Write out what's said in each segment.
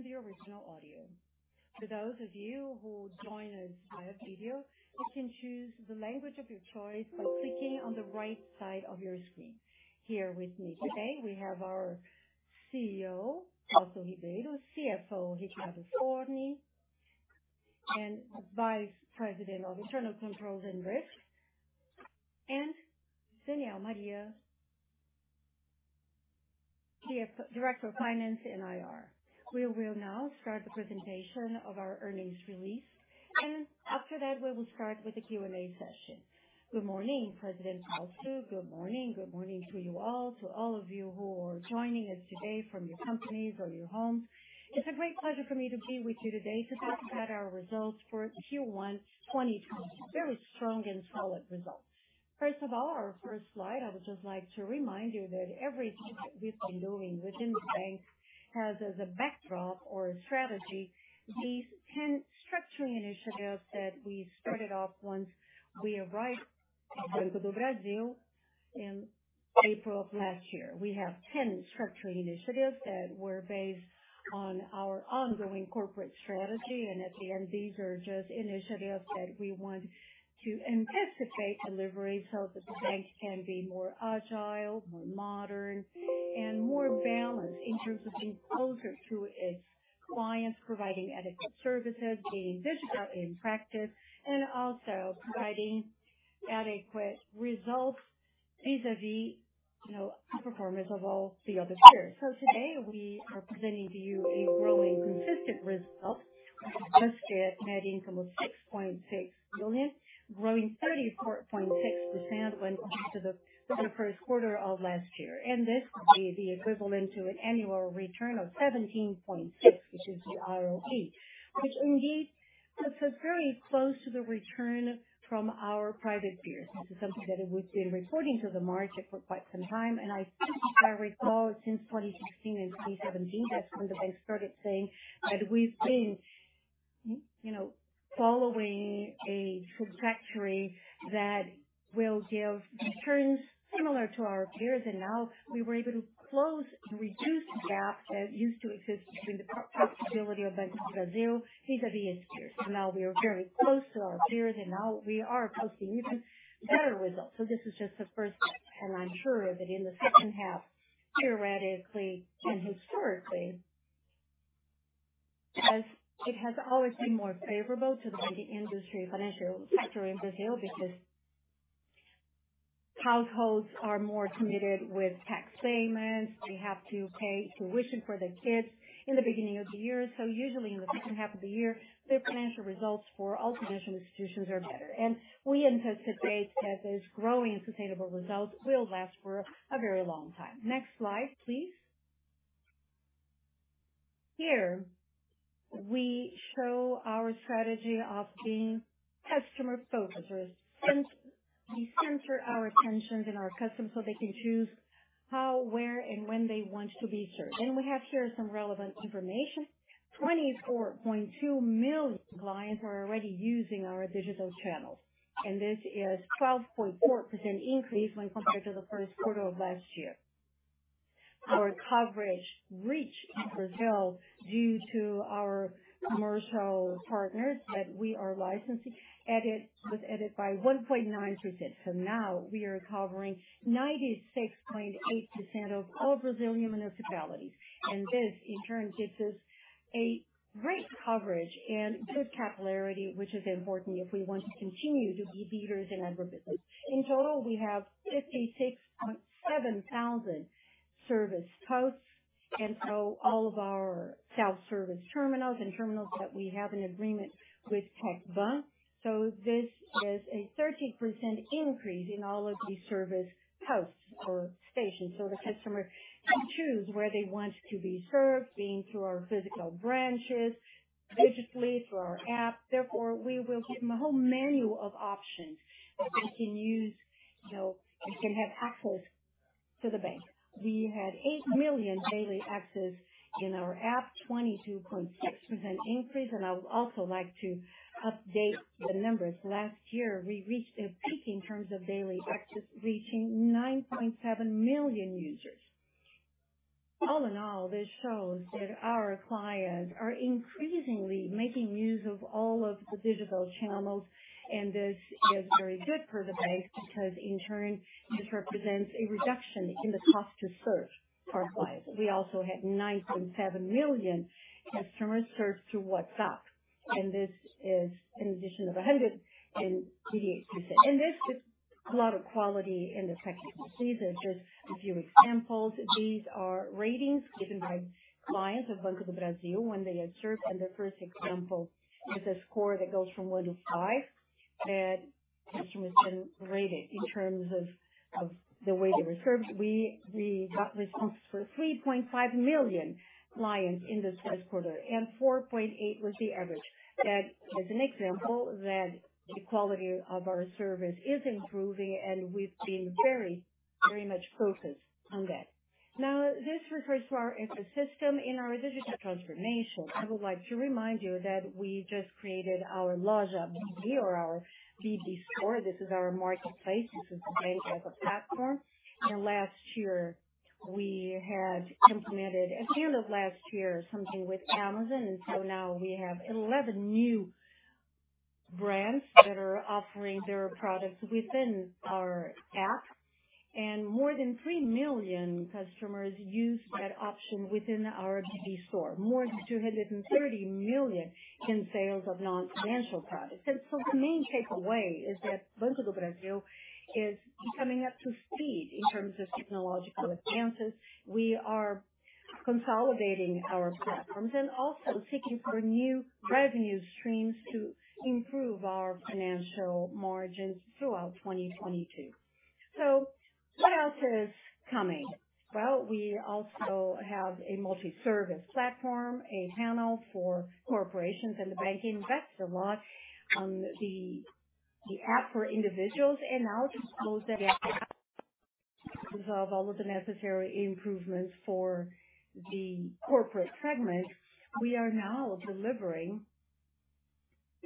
In the original audio. For those of you who join us via video, you can choose the language of your choice by clicking on the right side of your screen. Here with me today, we have our CEO, Fausto de Andrade Ribeiro, CFO José Ricardo Fagonde Forni, and Vice President of Internal Controls and Risks, and Daniel Maria, the Director of Finance and IR. We will now start the presentation of our earnings release, and after that, we will start with the Q&A session. Good morning, President Fausto. Good morning. Good morning to you all. To all of you who are joining us today from your companies or your homes. It's a great pleasure for me to be with you today to talk about our results for Q1 2020. Very strong and solid results. First of all, our first slide, I would just like to remind you that everything that we've been doing within the bank has as a backdrop or a strategy, these 10 structuring initiatives that we started off once we arrived at Banco do Brasil in April of last year. We have 10 structuring initiatives that were based on our ongoing corporate strategy. At the end, these are just initiatives that we want to anticipate delivery so that the bank can be more agile, more modern, and more balanced in terms of being closer to its clients, providing adequate services, being digital and practical, and also providing adequate results vis-à-vis, you know, performance of all the other peers. Today we are presenting to you a growing, consistent result. We just had net income of 6.6 billion, growing 34.6% when compared to the first quarter of last year. This would be the equivalent to an annual return of 17.6%, which is the ROE, which indeed puts us very close to the return from our private peers. This is something that we've been reporting to the market for quite some time, and I think if I recall, since 2016 and 2017, that's when the bank started saying that we've been you know, following a trajectory that will give returns similar to our peers. Now we were able to close and reduce the gap that used to exist between the profitability of Banco do Brasil vis-à-vis its peers. Now we are very close to our peers, and now we are posting even better results. This is just the first half, and I'm sure that in the second half, theoretically and historically, as it has always been more favorable to the banking industry, financial sector in Brazil, because households are more committed with tax payments. They have to pay tuition for their kids in the beginning of the year. Usually in the second half of the year, the financial results for all financial institutions are better. We anticipate that this growing sustainable results will last for a very long time. Next slide, please. Here we show our strategy of being customer focused. We center our attentions in our customers so they can choose how, where and when they want to be served. We have here some relevant information. 24.2 million clients are already using our digital channels, and this is a 12.4% increase when compared to the first quarter of last year. Our coverage in Brazil due to our commercial partners that we are licensing was up by 1.9%. Now we are covering 96.8% of all Brazilian municipalities. This in turn gives us a great coverage and good capillarity, which is important if we want to continue to be leaders in agribusiness. In total, we have 56,700 service posts, all of our self-service terminals and terminals that we have in agreement with TecBan. This is a 13% increase in all of these service posts or stations. The customer can choose where they want to be served, be it through our physical branches, digitally through our app. Therefore, we will give them a whole menu of options that they can use. You know, they can have access to the bank. We had 8 million daily access in our app, 22.6% increase. I would also like to update the numbers. Last year we reached a peak in terms of daily access, reaching 9.7 million users. All in all, this shows that our clients are increasingly making use of all of the digital channels. This is very good for the bank because in turn, this represents a reduction in the cost to serve per client. We also had 9.7 million customers served through WhatsApp, and this is an addition of 188%. There's just a lot of quality in the services. There's just a few examples. These are ratings given by clients of Banco do Brasil when they are served. The first example is a score that goes from 1 to 5 that customers can rate it in terms of the way they were served. We got responses for 3.5 million clients in this first quarter, and 4.8 was the average. That is an example that the quality of our service is improving, and we've been very, very much focused on that. Now, this refers to our ecosystem in our digital transformation. I would like to remind you that we just created our Loja BB or our BB Store. This is our marketplace. This is the bank as a platform. Last year, we had implemented at the end of last year something with Amazon. Now we have 11 new brands that are offering their products within our app and more than 3 million customers use that option within our BB Store. More than 230 million in sales of non-financial products. The main takeaway is that Banco do Brasil is coming up to speed in terms of technological advances. We are consolidating our platforms and also seeking for new revenue streams to improve our financial margins throughout 2022. What else is coming? Well, we also have a multi-service platform, a panel for corporations and banking investor portal on the app for individuals. Now to those that have all of the necessary improvements for the corporate segment, we are now delivering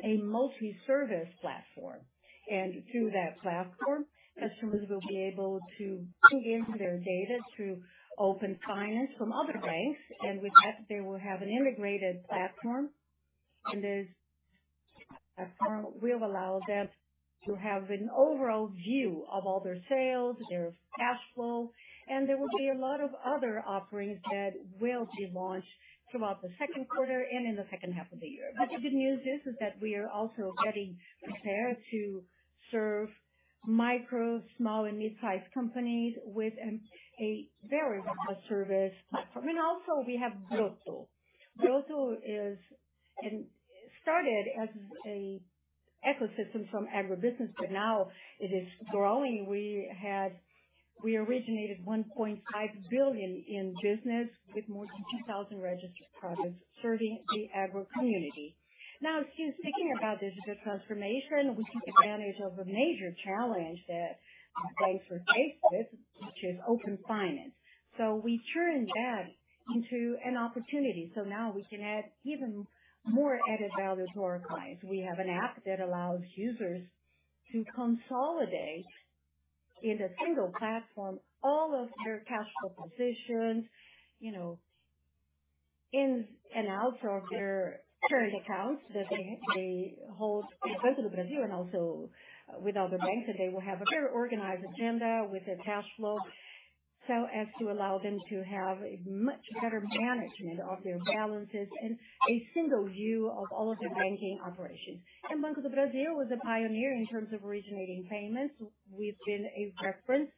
a multi-service platform. Through that platform, customers will be able to plug into their data through open finance from other banks, and with that, they will have an integrated platform. This platform will allow them to have an overall view of all their sales, their cash flow, and there will be a lot of other offerings that will be launched throughout the second quarter and in the second half of the year. The good news is that we are also getting prepared to serve micro, small and midsize companies with a very good service platform. Also we have Broto. Broto is. It started as an ecosystem from agribusiness, but now it is growing. We originated 1.5 billion in business with more than 2,000 registered products serving the agro community. Now, speaking about digital transformation, we took advantage of a major challenge that banks were faced with, which is open finance. We turned that into an opportunity. Now we can add even more added value to our clients. We have an app that allows users to consolidate in a single platform all of their cash flow positions, you know, ins and outs of their current accounts that they hold with Banco do Brasil and also with other banks. They will have a very organized agenda with their cash flow so as to allow them to have a much better management of their balances and a single view of all of their banking operations. Banco do Brasil was a pioneer in terms of originating payments. We've been a reference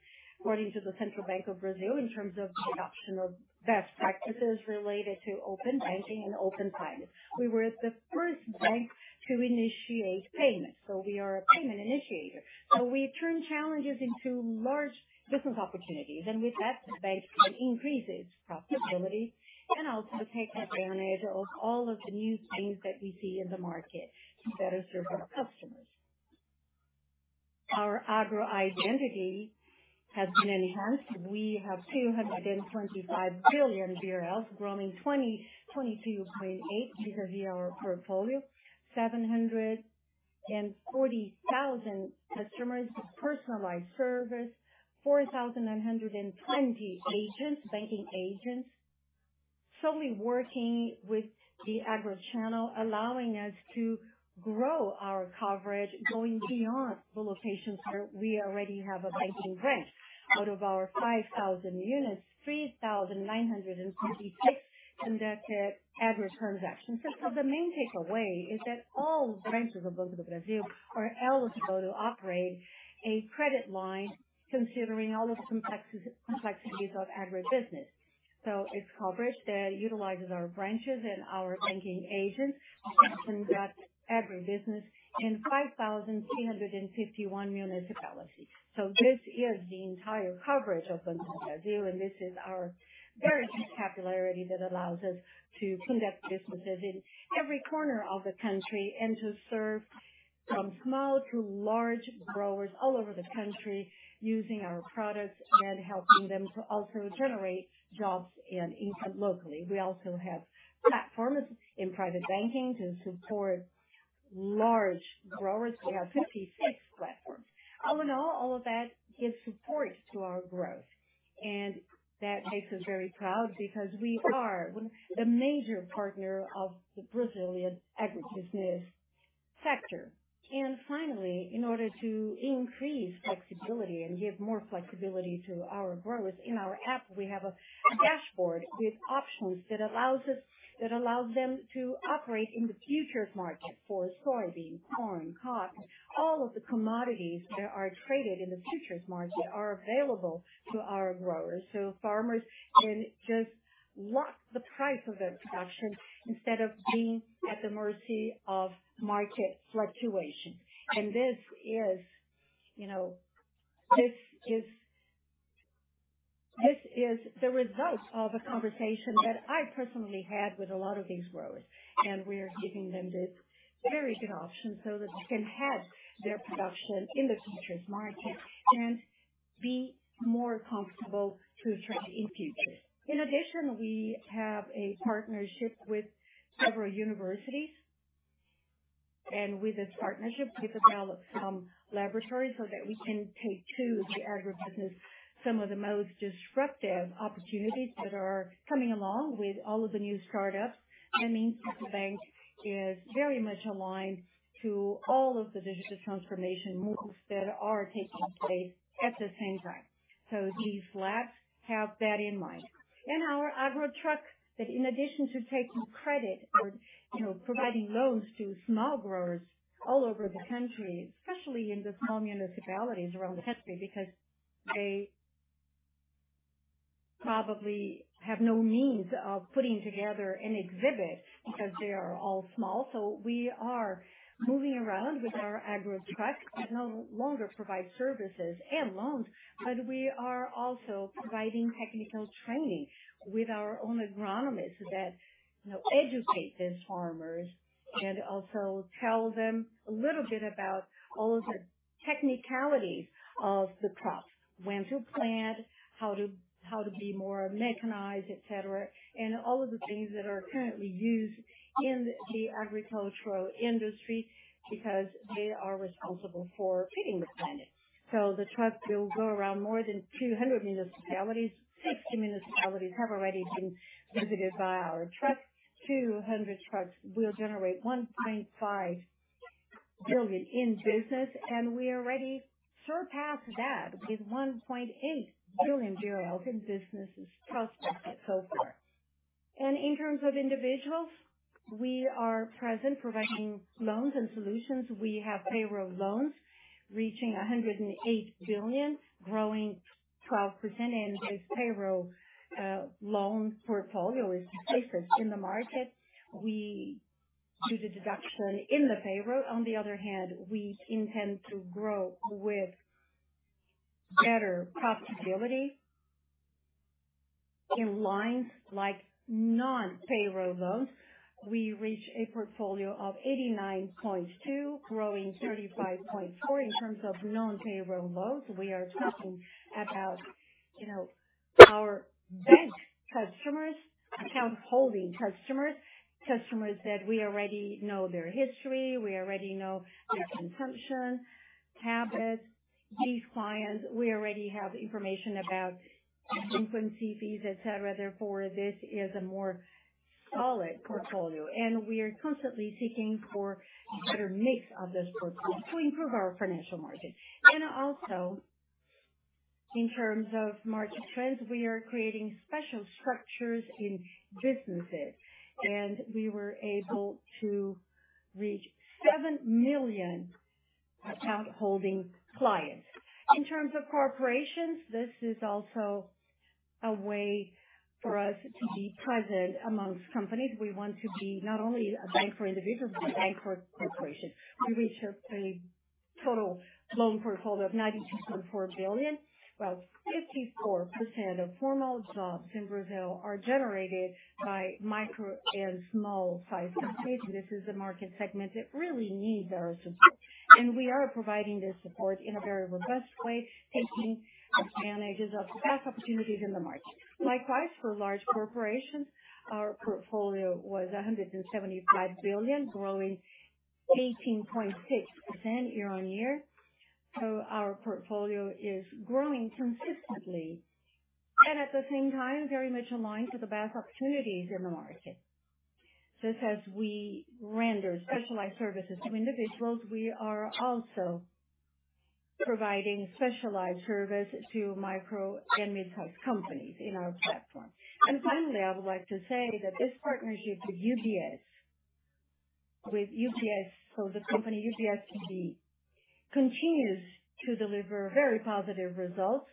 according to the Central Bank of Brazil in terms of the adoption of best practices related to open banking and open finance. We were the first bank to initiate payments, so we are a payment initiator. We turn challenges into large business opportunities, and with that the bank can increase its profitability and also take advantage of all of the new streams that we see in the market to better serve our customers. Our agro identity has been enhanced. We have 225 billion BRL growing 22.8% year-over-year portfolio. 740,000 customers with personalized service. 4,120 agents, banking agents solely working with the agro channel, allowing us to grow our coverage going beyond the locations where we already have a banking branch. Out of our 5,000 units, 3,956 conducted agro transactions. The main takeaway is that all branches of Banco do Brasil are eligible to operate a credit line considering all the complexities of agribusiness. It's coverage that utilizes our branches and our banking agents to conduct agribusiness in 5,351 municipalities. This is the entire coverage of Banco do Brasil, and this is our very good popularity that allows us to conduct businesses in every corner of the country and to serve from small to large growers all over the country using our products and helping them to also generate jobs and income locally. We also have platforms in private banking to support large growers. We have 56 platforms. All in all of that gives support to our growth, and that makes us very proud because we are the major partner of the Brazilian agribusiness sector. Finally, in order to increase flexibility and give more flexibility to our growers, in our app we have a dashboard with options that allows them to operate in the futures market for soybeans, corn, cotton. All of the commodities that are traded in the futures market are available to our growers, so farmers can just lock the price of their production instead of being at the mercy of market fluctuation. This is, you know, the result of a conversation that I personally had with a lot of these growers. We are giving them this very good option so that they can have their production in the futures market and be more comfortable to trade in futures. In addition, we have a partnership with several universities, and with this partnership we've developed some laboratories so that we can take to the agribusiness some of the most disruptive opportunities that are coming along with all of the new startups. That means that the bank is very much aligned to all of the digital transformation moves that are taking place at the same time. These labs have that in mind. Our agro truck that in addition to taking credit or, you know, providing loans to small growers all over the country, especially in the small municipalities around the country, because they probably have no means of putting together an exhibit because they are all small. We are moving around with our agro truck that no longer provide services and loans, but we are also providing technical training with our own agronomists that, you know, educate these farmers and also tell them a little bit about all of the technicalities of the crops, when to plant, how to be more mechanized, etc. All of the things that are currently used in the agricultural industry because they are responsible for feeding the planet. The truck will go around more than 200 municipalities. 60 municipalities have already been visited by our trucks. 200 trucks will generate 1.5 billion in business, and we already surpassed that with 1.8 billion in businesses prospective so far. In terms of individuals, we are present providing loans and solutions. We have payroll loans reaching 108 billion, growing 12%, and this payroll loan portfolio is the safest in the market. We do the deduction in the payroll. On the other hand, we intend to grow with better profitability in lines like non-payroll loans. We reach a portfolio of 89.2 billion, growing 35.4%. In terms of non-payroll loans, we are talking about, you know, our bank customers, account holding customers that we already know their history, we already know their consumption habits. These clients, we already have information about frequency, fees, etc. Therefore, this is a more solid portfolio, and we are constantly seeking for a better mix of this portfolio to improve our financial margin. Also, in terms of market trends, we are creating special structures in businesses, and we were able to reach 7 million account holding clients. In terms of corporations, this is also a way for us to be present amongst companies. We want to be not only a bank for individuals, but a bank for corporations. We reached a total loan portfolio of 92.4 billion, while 54% of formal jobs in Brazil are generated by micro and small size companies. This is a market segment that really needs our support, and we are providing this support in a very robust way, taking advantages of the best opportunities in the market. Likewise, for large corporations, our portfolio was 175 billion, growing 18.6% year-on-year. Our portfolio is growing consistently and at the same time very much aligned to the best opportunities in the market. Just as we render specialized services to individuals, we are also providing specialized service to micro and mid-size companies in our platform. Finally, I would like to say that this partnership with UBS, so the company UBS BB, continues to deliver very positive results.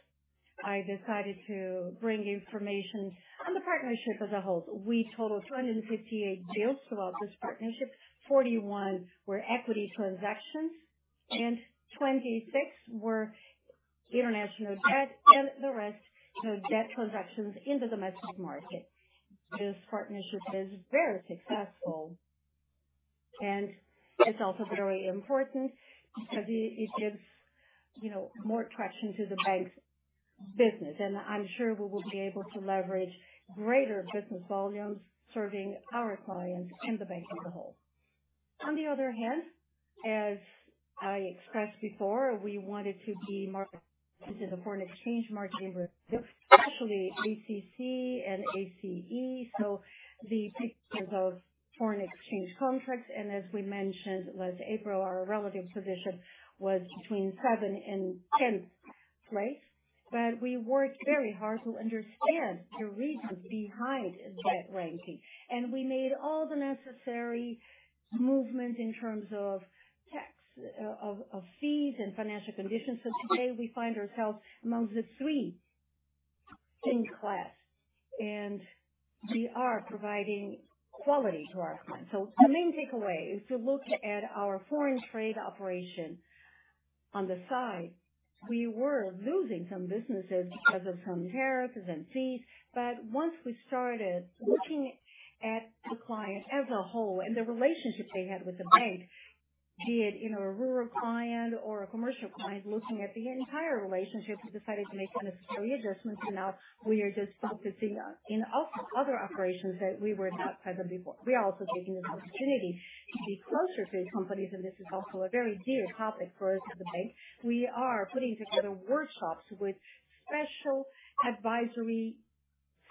I decided to bring information on the partnership as a whole. We totaled 258 deals throughout this partnership. 41 were equity transactions and 26 were international debt and the rest, you know, debt transactions in the domestic market. This partnership is very successful and it's also very important because it gives, you know, more traction to the bank's business. I'm sure we will be able to leverage greater business volumes serving our clients and the bank as a whole. On the other hand, as I expressed before, we wanted to be more into the foreign exchange market in Brazil, especially ACC and ACE. The figures of foreign exchange contracts, and as we mentioned last April, our relative position was between seventh and tenth place. We worked very hard to understand the reasons behind that ranking, and we made all the necessary movement in terms of tax, of fees and financial conditions. Today we find ourselves among the three in class and we are providing quality to our clients. The main takeaway is to look at our foreign trade operation. On the side, we were losing some businesses because of some tariffs and fees. Once we started looking at the client as a whole and the relationship they had with the bank, be it, you know, a rural client or a commercial client, looking at the entire relationship, we decided to make the necessary adjustments. Now we are just focusing on other operations that we were not present in before. We are also taking this opportunity to be closer to these companies, and this is also a very dear topic for us as a bank. We are putting together workshops with special advisory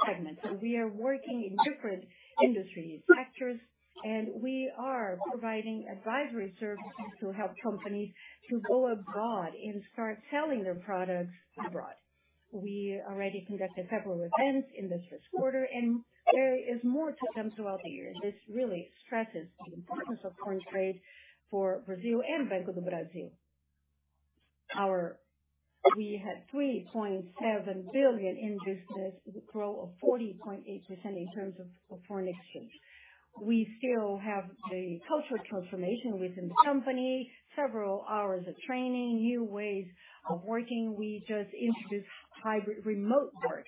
segment. We are working in different industry sectors, and we are providing advisory services to help companies to go abroad and start selling their products abroad. We already conducted several events in this first quarter, and there is more to come throughout the year. This really stresses the importance of foreign trade for Brazil and Banco do Brasil. We had 3.7 billion in business with a growth of 40.8% in terms of of foreign exchange. We still have the cultural transformation within the company, several hours of training, new ways of working. We just introduced hybrid remote work.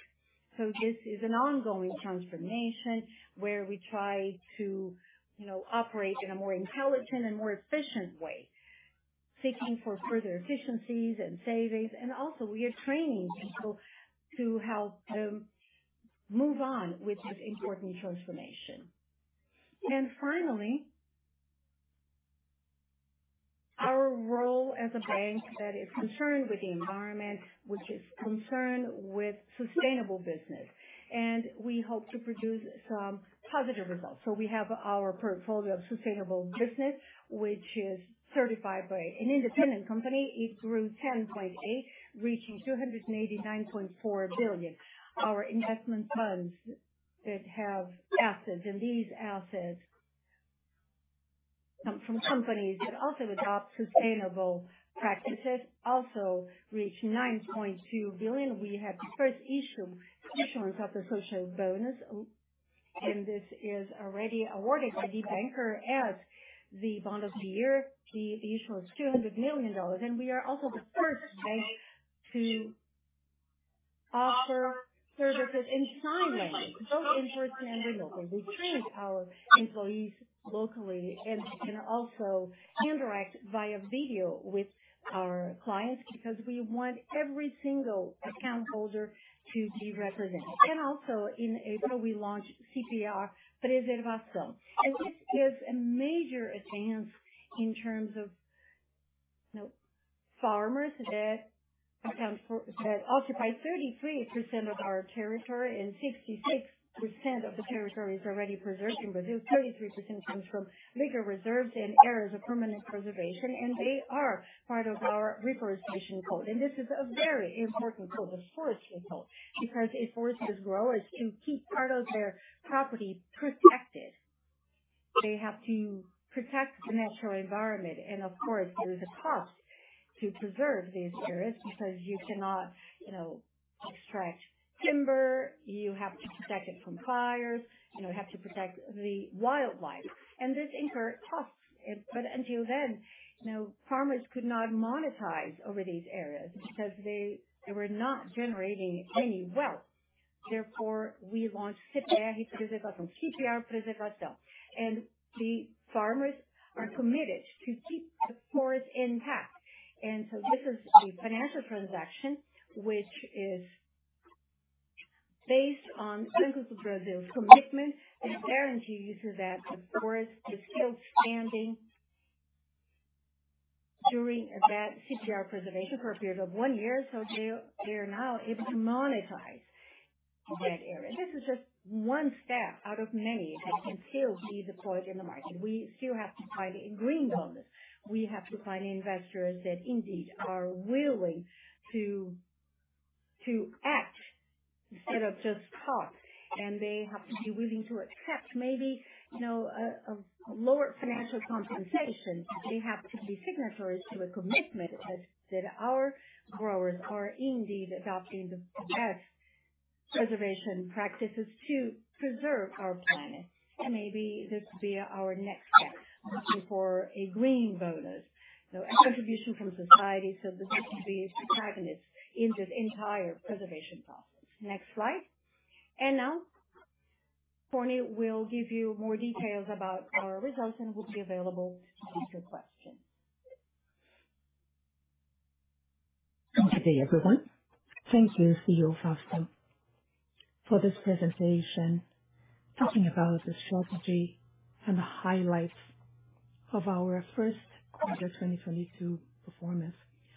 This is an ongoing transformation where we try to, you know, operate in a more intelligent and more efficient way, seeking for further efficiencies and savings. We are training people to help them move on with this important transformation. Our role as a bank that is concerned with the environment, which is concerned with sustainable business, and we hope to produce some positive results. We have our portfolio of sustainable business, which is certified by an independent company. It grew 10.8%, reaching 289.4 billion. Our investment funds that have assets, and these assets come from companies that also adopt sustainable practices, also reached 9.2 billion. We had the first issue, issuance of the social bonus, and this is already awarded by The Banker as the Bond of the Year. The issue was $200 million. We are also the first bank to offer services in sign language, both in Brazil and remotely. We train our employees locally, and they can also interact via video with our clients because we want every single account holder to be represented. In April, we launched CPR Preservação. This is a major advance in terms of, you know, farmers that occupy 33% of our territory and 66% of the territory is already preserved in Brazil. 33% comes from legal reserves and areas of permanent preservation, and they are part of our Reforestation Code. This is a very important code, a forestry code, because it forces growers to keep part of their property protected. They have to protect the natural environment. Of course, there is a cost to preserve these areas because you cannot, you know, extract timber, you have to protect it from fires, you know, you have to protect the wildlife. This incurs costs. Until then, you know, farmers could not monetize over these areas because they were not generating any wealth. Therefore, we launched CPR Preservação. The farmers are committed to keep the forest intact. This is a financial transaction which is based on Banco do Brasil's commitment and guarantees that the forest is still standing during that CPR Preservação for a period of one year. They're now able to monetize that area. This is just one step out of many that can still be deployed in the market. We still have to find a green bonus. We have to find investors that indeed are willing to act instead of just talk. They have to be willing to accept maybe, you know, a lower financial compensation. They have to be signatories to a commitment that our growers are indeed adopting the best preservation practices to preserve our planet. Maybe this will be our next step, looking for a green bonus. A contribution from society so that they can be a protagonist in this entire preservation process. Next slide. Now Tânia will give you more details about our results and will be available to take your questions. Good day, everyone. Thank you, CEO Fausto, for this presentation talking about the strategy and the highlights of our first quarter 2022 performance.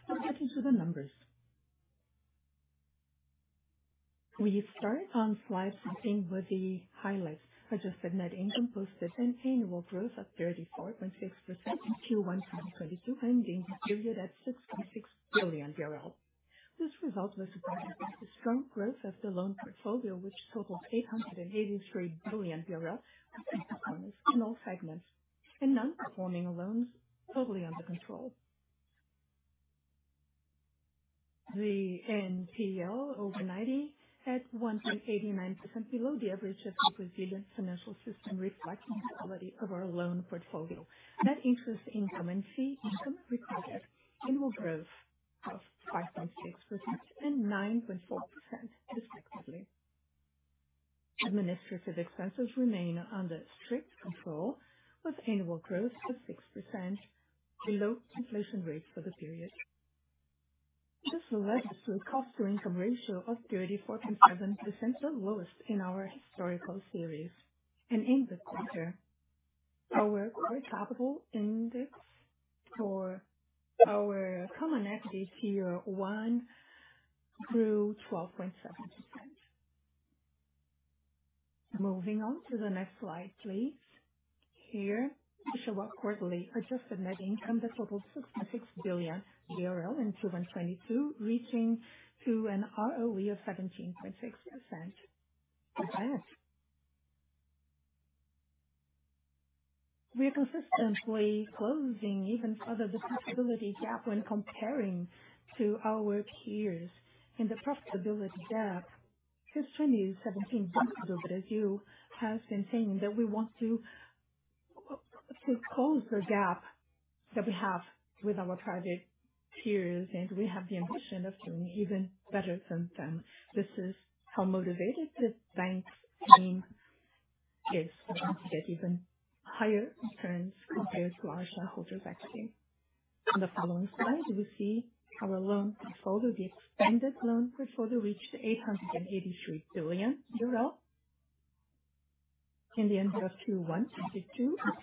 Let's get into the numbers. We start on slide 15 with the highlights. Adjusted net income posted an annual growth of 34.6% in Q1 2022, ending the period at BRL 66 billion. This result was supported by the strong growth of the loan portfolio, which totaled BRL 883 billion, with good performance in all segments and non-performing loans totally under control. The NPL over 90 at 1.89%, below the average of the Brazilian financial system, reflecting the quality of our loan portfolio. Net interest income and fee income recorded annual growth of 5.6% and 9.4% respectively. Administrative expenses remain under strict control, with annual growth of 6% below inflation rate for the period. This led to a cost-to-income ratio of 34.7%, the lowest in our historical series. In this quarter, our core capital index for our common equity Tier 1 grew 12.7%. Moving on to the next slide, please. Here we show our quarterly adjusted net income that totaled 66 billion in 2022, reaching to an ROE of 17.6%. Next. We are consistently closing even further the profitability gap when comparing to our peers. In the profitability gap, this trend is 17 years old, but as you have been saying that we want to close the gap that we have with our private peers, and we have the ambition of doing even better than them. This is how motivated the bank's team is to get even higher returns compared to our shareholders' equity. On the following slide, we see our loan portfolio. The expanded loan portfolio reached BRL 883 billion at the end of 2022, up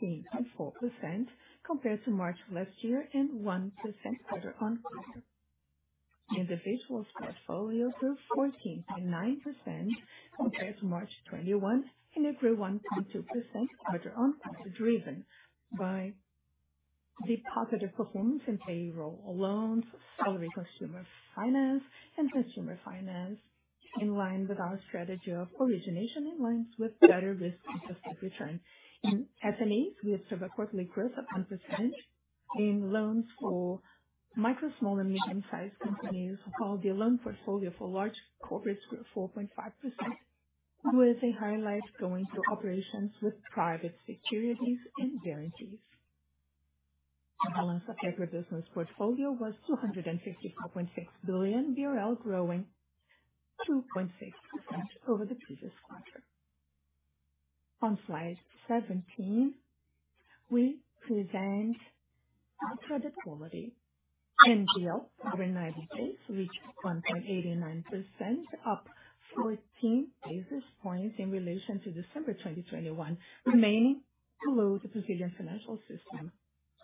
16.4% compared to March last year and 1% quarter-on-quarter. The individuals' portfolio grew 14.9% compared to March 2021 and it grew 1.2% quarter-on-quarter, driven by the positive performance in payroll loans, salary consumer finance and consumer finance, in line with our strategy of origination in lines with better risk-adjusted return. In SMEs, we observed a quarterly growth of 1% in loans for micro, small, and medium-sized companies, while the loan portfolio for large corporates grew 4.5%, with a highlight going to operations with private securities and guarantees. The balance of agribusiness portfolio was 254.6 billion, growing 2.6% over the previous quarter. On slide 17, we present our credit quality. NPL over 90 days reached 1.89%, up 14 basis points in relation to December 2021, remaining below the Brazilian financial system,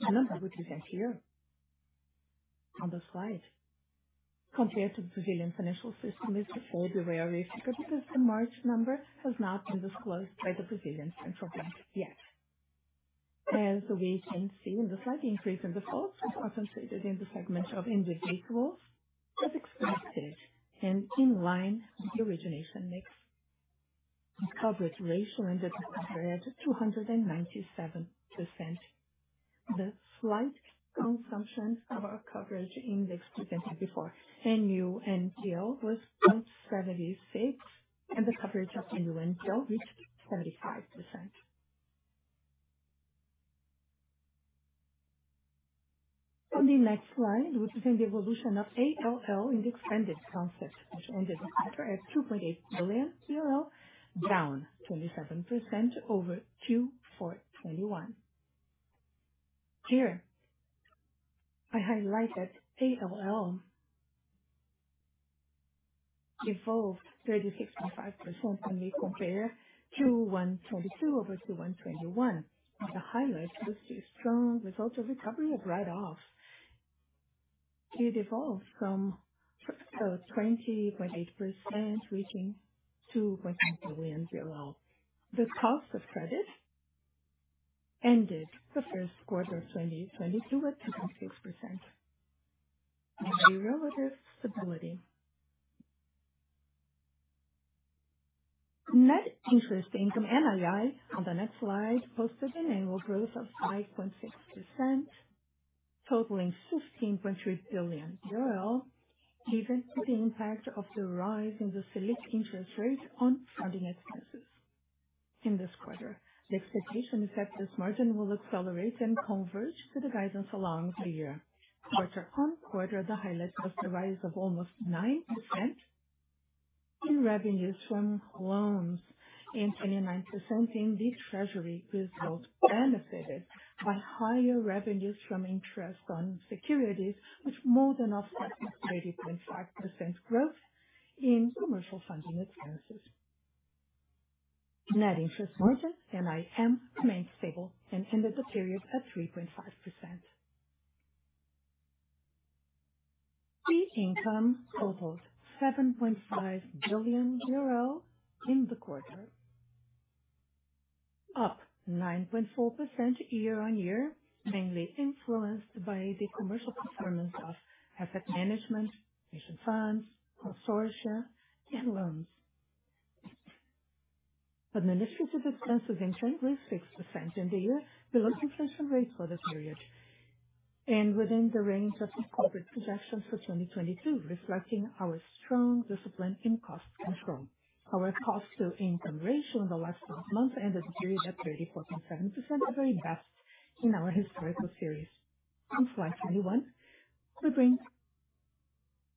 the number we present here on the slide. Compared to the Brazilian financial system because the March number has not been disclosed by the Brazilian Central Bank yet. As we can see on the slide, the increase in defaults is concentrated in the segment of individuals, as expected and in line with the origination mix. The coverage ratio ended the quarter at 297%. The slight consumption of our coverage index presented before New NPL was 0.76, and the coverage of New NPL reached 75%. On the next slide, we present the evolution of ALL in the expanded concept, which ended the quarter at BRL 2.8 billion, down 27% over Q4 2021. Here I highlight that ALL evolved when we compare Q1 2022 over Q1 2021. The highlight was the strong results of recovery of write-offs. It evolved from 20.8%, reaching BRL 2 billion. The cost of credit ended the first quarter of 2022 at 2.6%. Delivering stability. Net interest income, NII, on the next slide, posted an annual growth of 5.6%, totaling BRL 16.3 billion, given the impact of the rise in the Selic interest rate on funding expenses in this quarter. The expectation is that this margin will accelerate and converge to the guidance along the year. Quarter-on-quarter, the highlight was the rise of almost 9% in revenues from loans and 29% in the treasury results benefited by higher revenues from interest on securities, which more than offset the 30.5% growth in commercial funding expenses. Net interest margin, NIM, remained stable and ended the period at 3.5%. Fee income totaled BRL 7.5 billion in the quarter, up 9.4% year-on-year, mainly influenced by the commercial performance of asset management, pension funds, consortia, and loans. Administrative expenses increased 6% in the year below inflation rate for the period and within the range of the corporate projections for 2022, reflecting our strong discipline in cost control. Our cost-to-income ratio in the last 12 months ended the period at 34.7%, our best in our historical series. On slide 21, we bring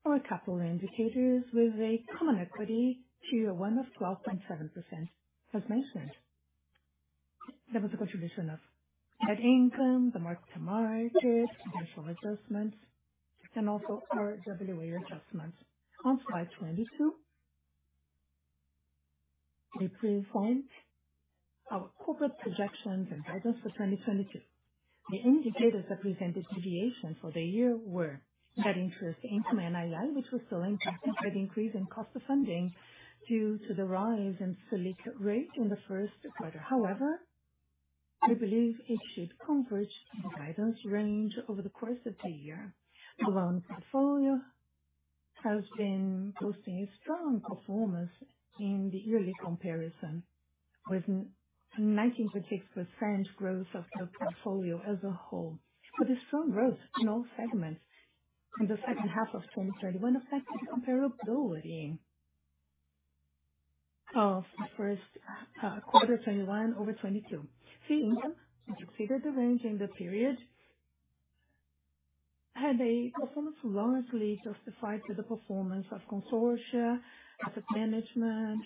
our capital indicators with a common equity Tier 1 of 12.7%, as mentioned. There was a contribution of net income, the mark-to-market, potential adjustments, and also RWA adjustments. On slide 22, we present our corporate projections and guidance for 2022. The indicators that presented deviation for the year were net interest income, NII, which was still impacted by the increase in cost of funding due to the rise in Selic rate in the first quarter. However, we believe it should converge to the guidance range over the course of the year. The loan portfolio has been posting a strong performance in the yearly comparison, with 96% growth of the portfolio as a whole. With a strong growth in all segments in the second half of 2023, which affected comparability of the first quarter 2021 over 2022. Fee income, which fit the range in the period, had a performance largely justified by the performance of consortia, asset management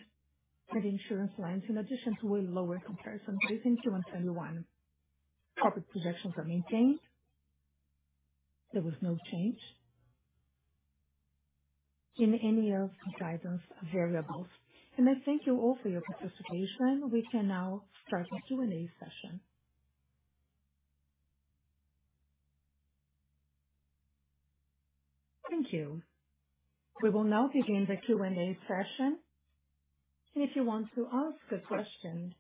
and insurance lines, in addition to a lower comparison base in Q1 2021. Corporate projections are maintained. There was no change in any of the guidance variables. I thank you all for your participation. We can now start the Q&A session. Thank you. We will now begin the Q&A session. If you want to ask a question,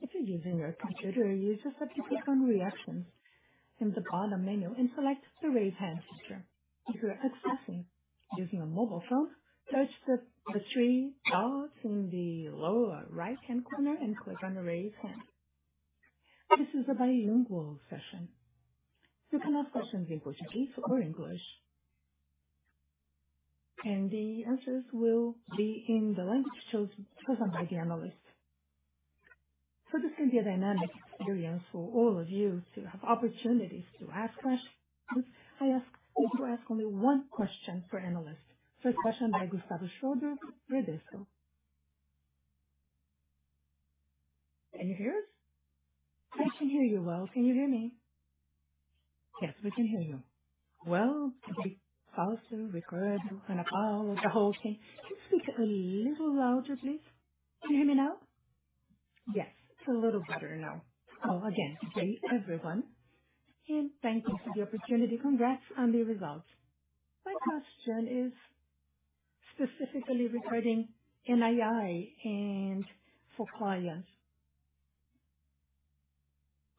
if you're using your computer, use the participant reactions in the bottom menu and select the Raise Hand feature. If you're accessing using a mobile phone, touch the three dots in the lower right-hand corner and click on Raise Hand. This is a bilingual session. You can ask questions in Portuguese or English. The answers will be in the language chosen presented by the analyst. For this to be a dynamic experience for all of you to have opportunities to ask questions, I ask that you ask only one question per analyst. First question by Gustavo Schroden, Bradesco. Can you hear us? I can hear you well. Can you hear me? Yes, we can hear you. Well. Okay. Can you speak a little louder, please? Can you hear me now? Yes, it's a little better now. Again, good day everyone, and thank you for the opportunity. Congrats on the results. My question is specifically regarding NII and provisions.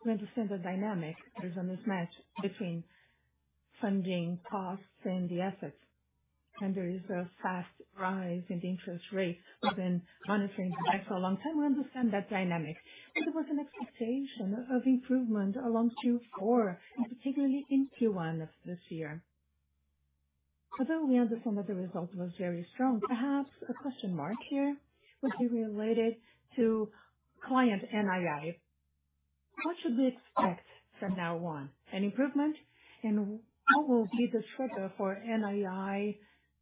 We understand the dynamic. There's a mismatch between funding costs and the assets, and there is a fast rise in the interest rates. We've been monitoring that for a long time. We understand that dynamic. There was an expectation of improvement along Q4 and particularly in Q1 of this year. Although we understand that the result was very strong, perhaps a question mark here would be related to client NII. What should we expect from now on? An improvement? And what will be the trigger for NII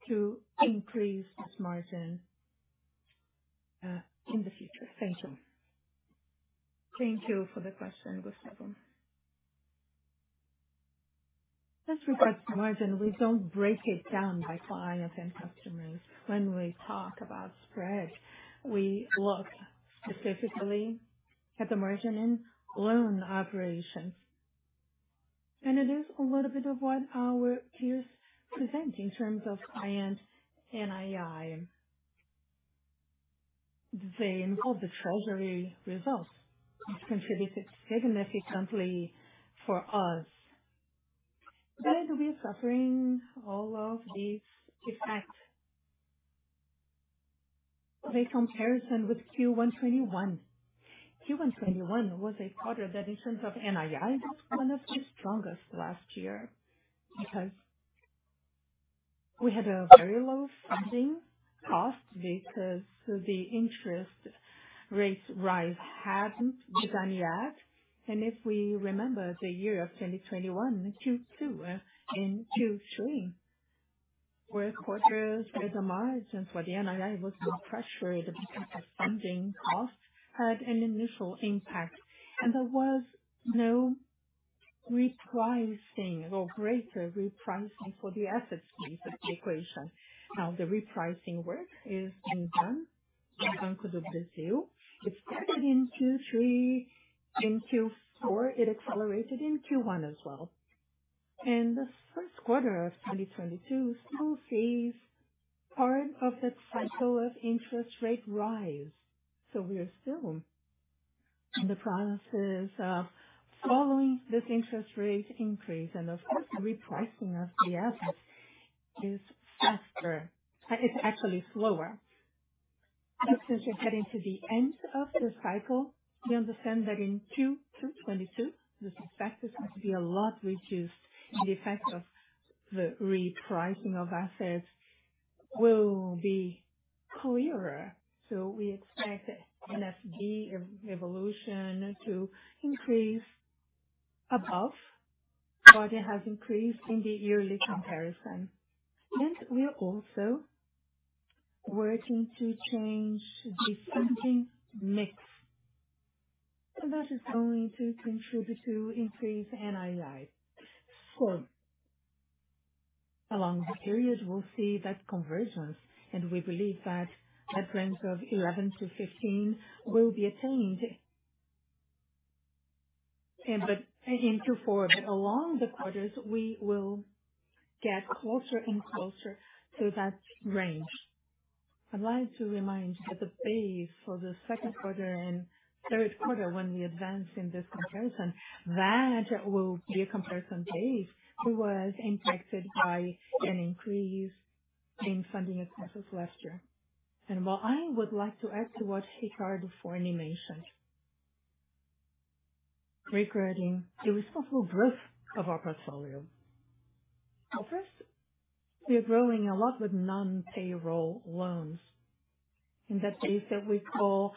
to increase its margin in the future? Thank you. Thank you for the question, Gustavo. As regards to margin, we don't break it down by clients and customers. When we talk about spread, we look specifically at the margin in loan operations. It is a little bit of what our peers present in terms of client NII. They involve the treasury results. It's contributed significantly for us. We are suffering all of these effects. The comparison with Q1 2021. Q1 2021 was a quarter that in terms of NII, it was one of the strongest last year because we had a very low funding cost because the interest rates rise hadn't begun yet. If we remember the year of 2021, Q2 and Q3 were quarters where the margins for the NII was more pressured because the funding costs had an initial impact and there was no repricing or greater repricing for the assets piece of the equation. Now the repricing work is being done by Banco do Brasil. It started in Q3 and Q4. It accelerated in Q1 as well. The first quarter of 2022 still sees part of that cycle of interest rate rise. We are still in the process of following this interest rate increase and of course the repricing of the assets is faster. It's actually slower. Since we're getting to the end of the cycle, we understand that in Q2 2022 this effect is going to be a lot reduced and the effect of the repricing of assets will be clearer. We expect MFB evolution to increase above what it has increased in the yearly comparison. We are also working to change the funding mix. That is going to contribute to increase NII. Along the period, we'll see that convergence, and we believe that that range of 11-15 will be attained. Again, to forward, but along the quarters we will get closer and closer to that range. I'd like to remind that the base for the second quarter and third quarter when we advance in this comparison, that will be a comparison base that was impacted by an increase in funding expenses last year. What I would like to add to what Ricardo Forni mentioned regarding the responsible growth of our portfolio. First, we are growing a lot with non-payroll loans in that base that we call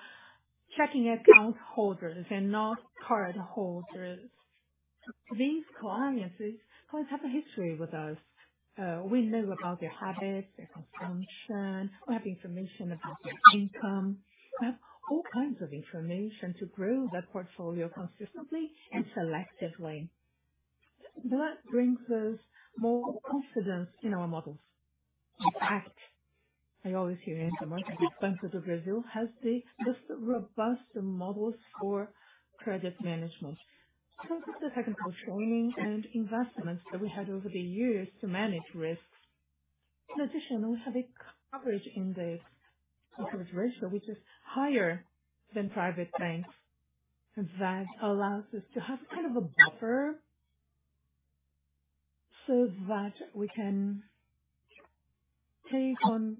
checking account holders and not card holders. These clients don't have a history with us. We know about their habits, their consumption. We have information about their income. We have all kinds of information to grow that portfolio consistently and selectively. That brings us more confidence in our models. In fact, I always hear Banco do Brasil has the most robust models for credit management because of the technical training and investments that we had over the years to manage risks. In addition, we have a coverage ratio, which is higher than private banks. That allows us to have kind of a buffer so that we can take on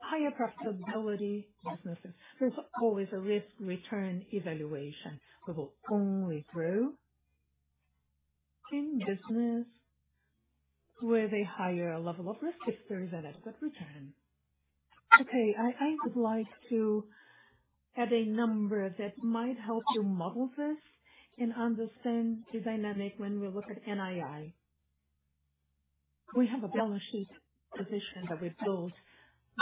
higher profitability businesses. There's always a risk-return evaluation. We will only grow in business with a higher level of risk if there is an adequate return. Okay. I would like to add a number that might help you model this and understand the dynamic when we look at NII. We have a balance sheet position that we built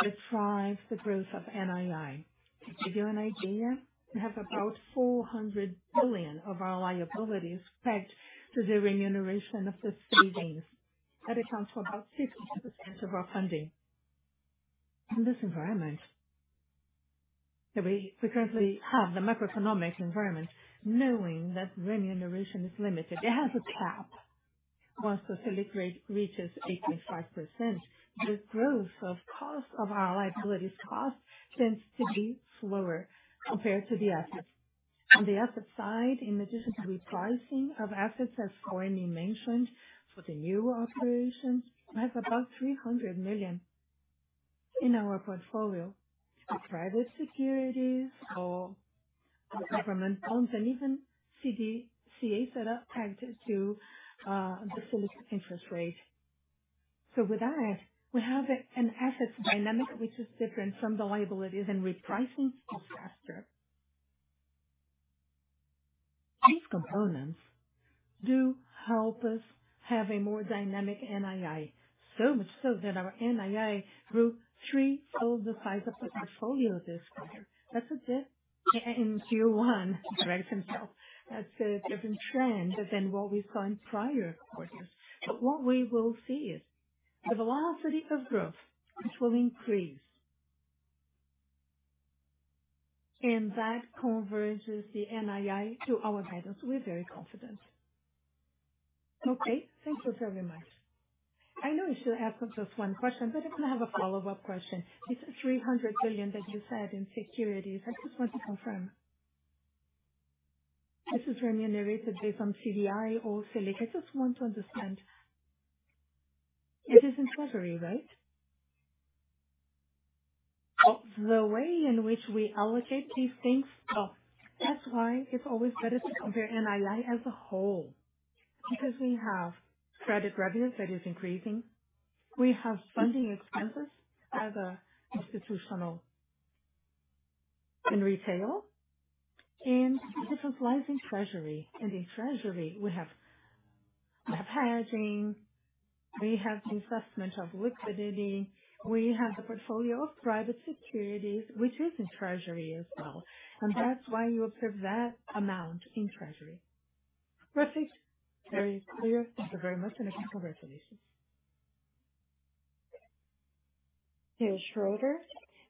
that drives the growth of NII. To give you an idea, we have about 400 billion of our liabilities pegged to the remuneration of the savings. That accounts for about 50% of our funding. In this environment that we currently have, the macroeconomic environment, knowing that remuneration is limited, it has a cap. Once the Selic rate reaches 8.5%, the growth of cost of our liabilities tends to be slower compared to the assets. On the asset side, in addition to repricing of assets, as Forni mentioned, for the new operations, we have about 300 million in our portfolio of private securities or government bonds and even CDBs pegged to the Selic interest rate. With that, we have an assets dynamic which is different from the liabilities and repricing of faster. These components do help us have a more dynamic NII. So much so that our NII grew 3x the size of the portfolio this quarter. That's a different trend than what we saw in prior quarters. What we will see is the velocity of growth, which will increase. That converges the NII to our guidance. We're very confident. Okay. Thank you so very much. I know you should answer just one question, but if I can have a follow-up question. This 300 billion that you said in securities, I just want to confirm. This is remunerated based on CDI or Selic. I just want to understand. It is in treasury, right? The way in which we allocate these things. That's why it's always better to compare NII as a whole, because we have credit revenues that is increasing. We have funding expenses as an institutional in retail, and this all lies in treasury. In treasury we have hedging, we have the assessment of liquidity, we have the portfolio of private securities, which is in treasury as well. That's why you observe that amount in treasury. Perfect. Very clear. Thank you very much. Again, congratulations. Here's Schroder.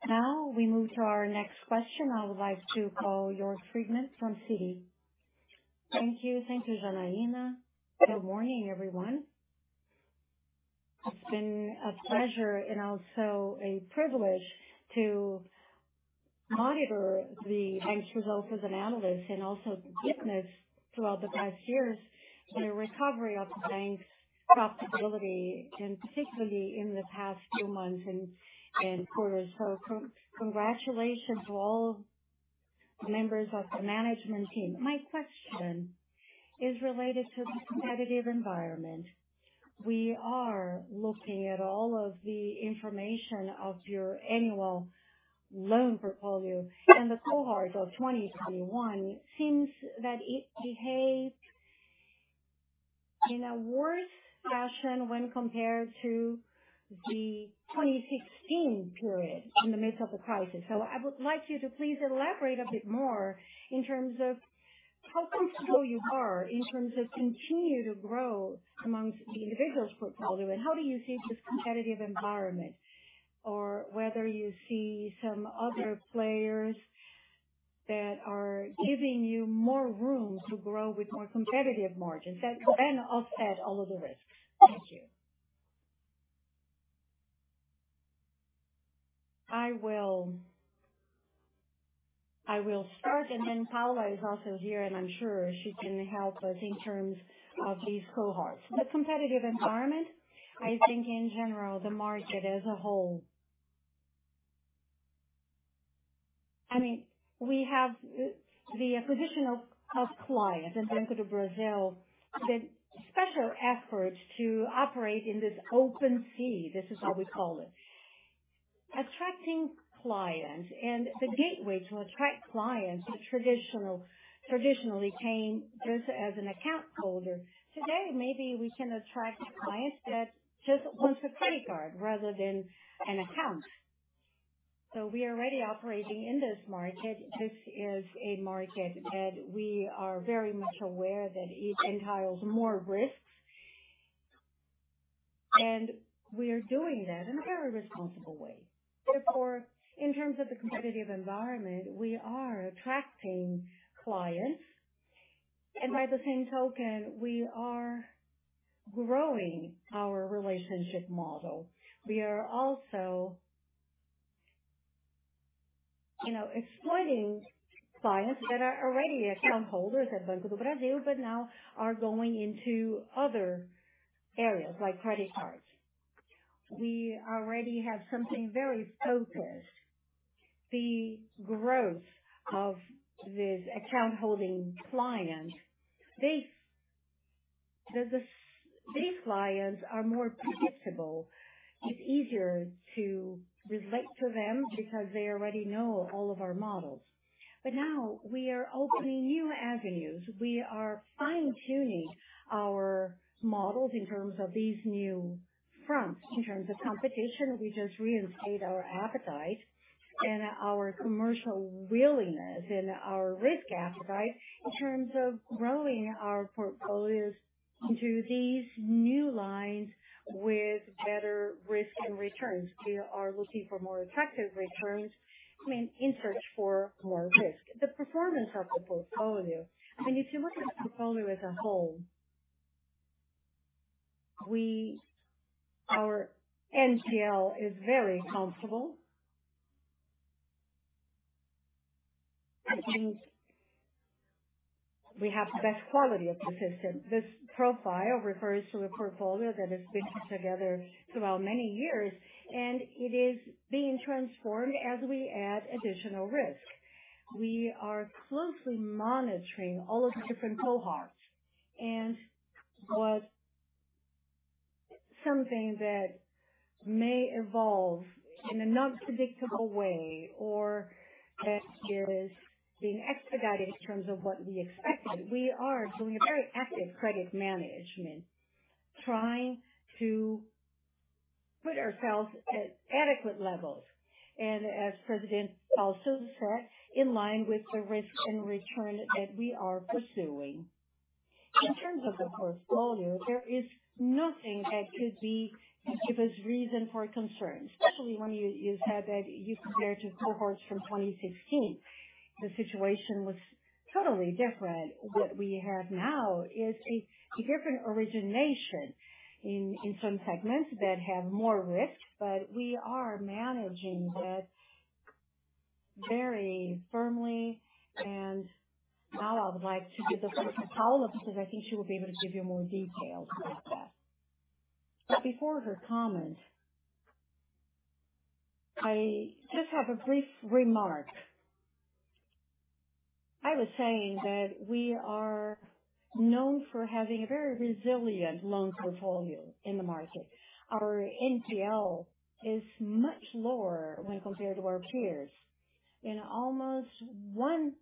Now we move to our next question. I would like to call Jörg Friedemann from Citi. Thank you. Thank you, Janaína. Good morning, everyone. It's been a pleasure and also a privilege to monitor the bank's results as an analyst and also witness throughout the past years the recovery of the bank's profitability, and particularly in the past few months and quarters. Congratulations to all members of the management team. My question is related to the competitive environment. We are looking at all of the information of your annual loan portfolio and the cohorts of 2021 seems that it behaved in a worse fashion when compared to the 2016 period in the midst of the crisis. I would like you to please elaborate a bit more in terms of how comfortable you are in terms of continue to grow amongst the individual's portfolio. How do you see this competitive environment? Or whether you see some other players that are giving you more room to grow with more competitive margins that can offset all of the risks. Thank you. I will start, and then Paula is also here, and I'm sure she can help us in terms of these cohorts. The competitive environment, I think in general, the market as a whole. I mean, we have the acquisition of clients in Banco do Brasil with special efforts to operate in this open banking. This is how we call it. Attracting clients and the gateway to attract clients who traditionally came just as an account holder. Today, maybe we can attract clients that just wants a credit card rather than an account. We are already operating in this market. This is a market that we are very much aware that it entails more risks. We are doing that in a very responsible way. Therefore, in terms of the competitive environment, we are attracting clients, and by the same token, we are growing our relationship model. We are also, you know, exploiting clients that are already account holders at Banco do Brasil, but now are going into other areas like credit cards. We already have something very focused. The growth of this account-holding client. These clients are more predictable. It's easier to relate to them because they already know all of our models. Now we are opening new avenues. We are fine-tuning our models in terms of these new fronts. In terms of competition, we just reinstate our appetite and our commercial willingness and our risk appetite in terms of growing our portfolios into these new lines with better risk and returns. We are looking for more attractive returns and in search for more risk. The performance of the portfolio. I mean, if you look at the portfolio as a whole, our NPL is very comfortable. I think we have the best quality of the system. This profile refers to a portfolio that has been together throughout many years, and it is being transformed as we add additional risk. We are closely monitoring all of the different cohorts and watching something that may evolve in an unpredictable way or that is being expedited in terms of what we expected. We are doing a very active credit management, trying to put ourselves at adequate levels. As President Ana Paula Teixeira de Sousa, in line with the risk and return that we are pursuing. In terms of the portfolio, there is nothing that could give us reason for concern, especially when you said that you compare to cohorts from 2016. The situation was totally different. What we have now is a different origination in some segments that have more risk, but we are managing that very firmly. Now I would like to give the floor to Paula because I think she will be able to give you more details about that. Before her comment, I just have a brief remark. I was saying that we are known for having a very resilient loan portfolio in the market. Our NPL is much lower when compared to our peers in almost one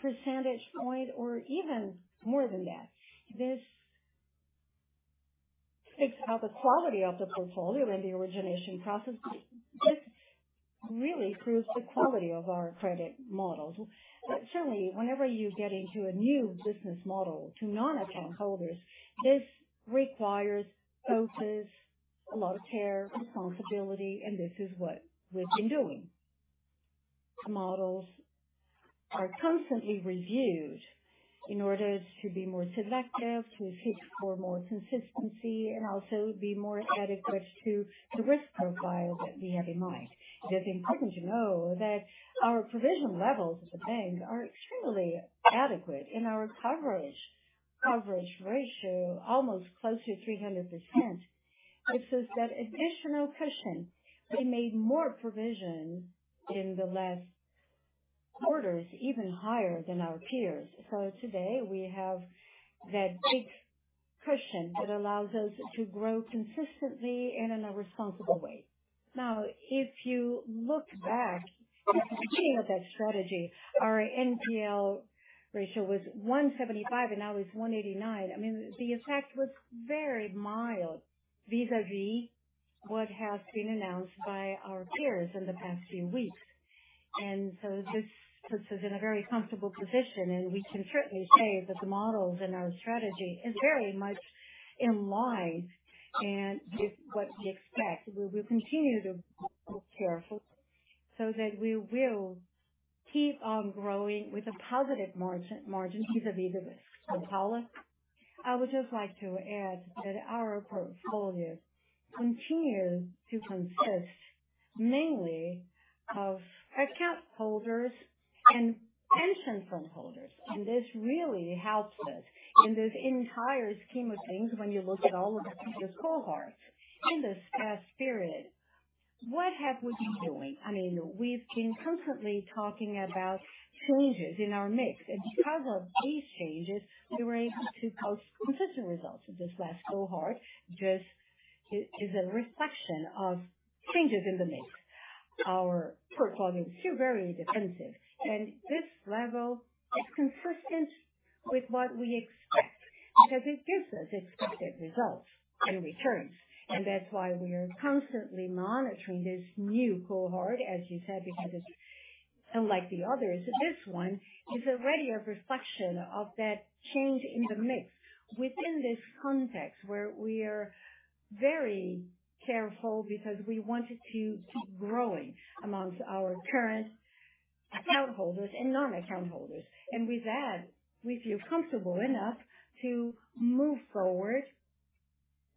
percentage point or even more than that. This speaks about the quality of the portfolio and the origination process. This really proves the quality of our credit models. Certainly, whenever you get into a new business model to non-account holders, this requires focus, a lot of care, responsibility, and this is what we've been doing. The models are constantly reviewed in order to be more selective, to seek for more consistency, and also be more adequate to the risk profile that we have in mind. It is important to know that our provision levels at the bank are extremely adequate and our coverage ratio almost close to 300%. This is that additional cushion that made our provisions in the last quarters even higher than our peers. Today we have that big cushion that allows us to grow consistently and in a responsible way. Now, if you look back, beginning with that strategy, our NPL ratio was 1.75% and now it's 1.89%. I mean, the effect was very mild vis-à-vis what has been announced by our peers in the past few weeks. This is in a very comfortable position, and we can certainly say that the models and our strategy is very much in line and with what we expect. We will continue to be careful so that we will keep on growing with a positive margin vis-à-vis the policy. I would just like to add that our portfolio continues to consist mainly of account holders and pension fund holders, and this really helps us in this entire scheme of things when you look at all of the cohorts in this period. What have we been doing? I mean, we've been constantly talking about changes in our mix. Because of these changes, we were able to post consistent results in this last cohort. This is a reflection of changes in the mix. Our portfolio is still very defensive, and this level is consistent with what we expect because it gives us expected results and returns. That's why we are constantly monitoring this new cohort, as you said, because it's unlike the others. This one is already a reflection of that change in the mix within this context, where we are very careful because we wanted to keep growing amongst our current account holders and non-account holders. With that, we feel comfortable enough to move forward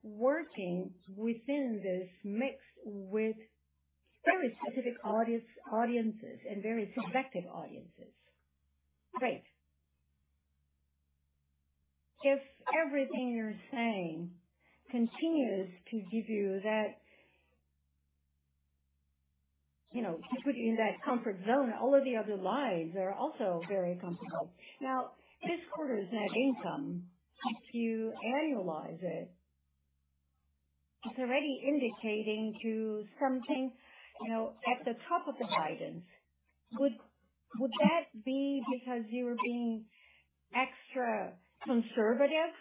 working within this mix with very specific audiences and very selective audiences. Great. If everything you're saying continues to give you that. You know, to put you in that comfort zone, all of the other lines are also very comfortable. Now, this quarter's net income, if you annualize it's already indicating to something, you know, at the top of the guidance. Would that be because you were being extra conservative?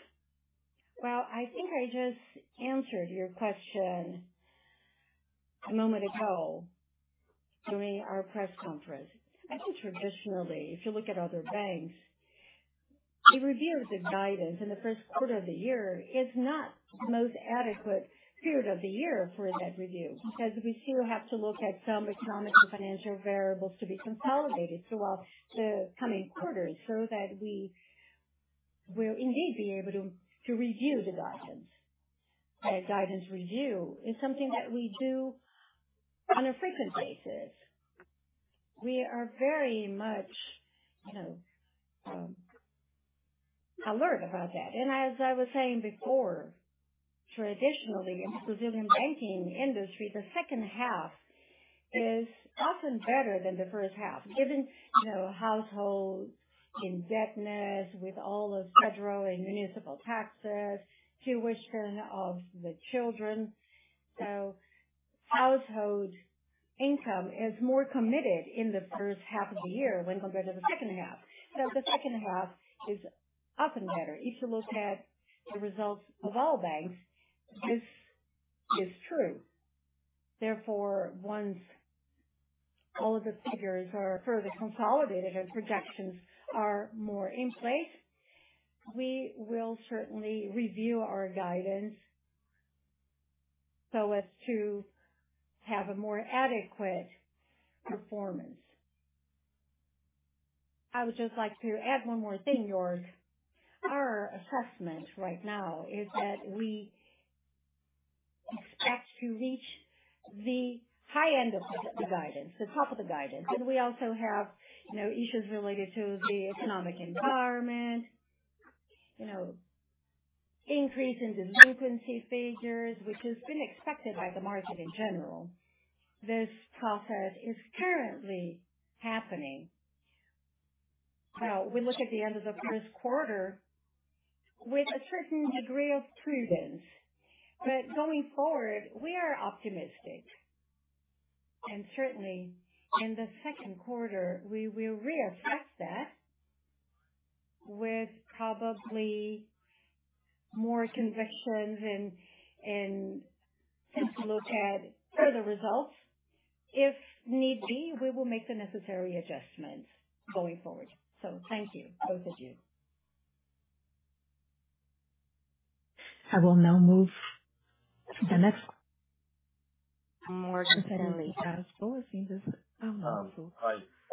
Well, I think I just answered your question a moment ago during our press conference. I think traditionally, if you look at other banks, the review of the guidance in the first quarter of the year is not the most adequate period of the year for that review, because we still have to look at some economic and financial variables to be consolidated throughout the coming quarters so that we will indeed be able to to review the guidance. The guidance review is something that we do on a frequent basis. We are very much, you know, alert about that. As I was saying before, traditionally in the Brazilian banking industry, the second half is often better than the first half, given, you know, households in indebtedness with all the federal and municipal taxes, tuition of the children. Household income is more committed in the first half of the year when compared to the second half. The second half is often better. If you look at the results of all banks, this is true. Therefore, once all of the figures are further consolidated and projections are more in place, we will certainly review our guidance so as to have a more adequate performance. I would just like to add one more thing, Jorge. Our assessment right now is that we expect to reach the high end of the guidance, the top of the guidance. We also have, you know, issues related to the economic environment, you know, increase in delinquency figures, which has been expected by the market in general. This process is currently happening. We look at the end of the first quarter with a certain degree of prudence. Going forward, we are optimistic. Certainly in the second quarter we will reassess that with probably more convictions and if you look at further results, if need be, we will make the necessary adjustments going forward. Thank you, both of you. I will now move to the next, Morgan Stanley. Hi.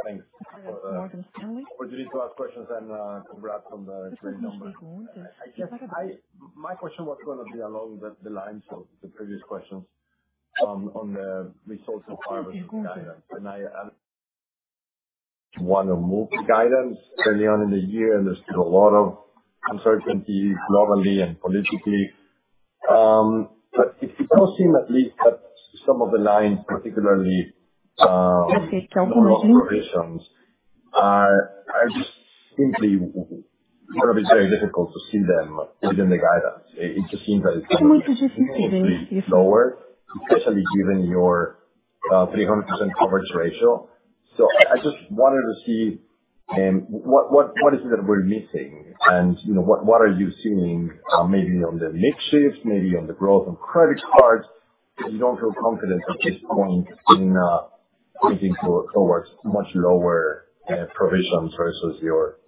Thanks. Morgan Stanley. Opportunity to ask questions and, congrats on the great numbers. I just, my question was gonna be along the lines of the previous questions on the results so far with the guidance. I want to move the guidance early on in the year, and there's still a lot of uncertainty globally and politically. But it does seem at least that some of the lines, particularly loan provisions. I just simply kind of, it's very difficult to see them within the guidance. It just seems that it's Can we just give you. Lower, especially given your 300% coverage ratio. I just wanted to see what is it that we're missing? You know, what are you seeing maybe on the mix shift, maybe on the growth on credit cards, that you don't feel confident at this point in pointing towards much lower provisions versus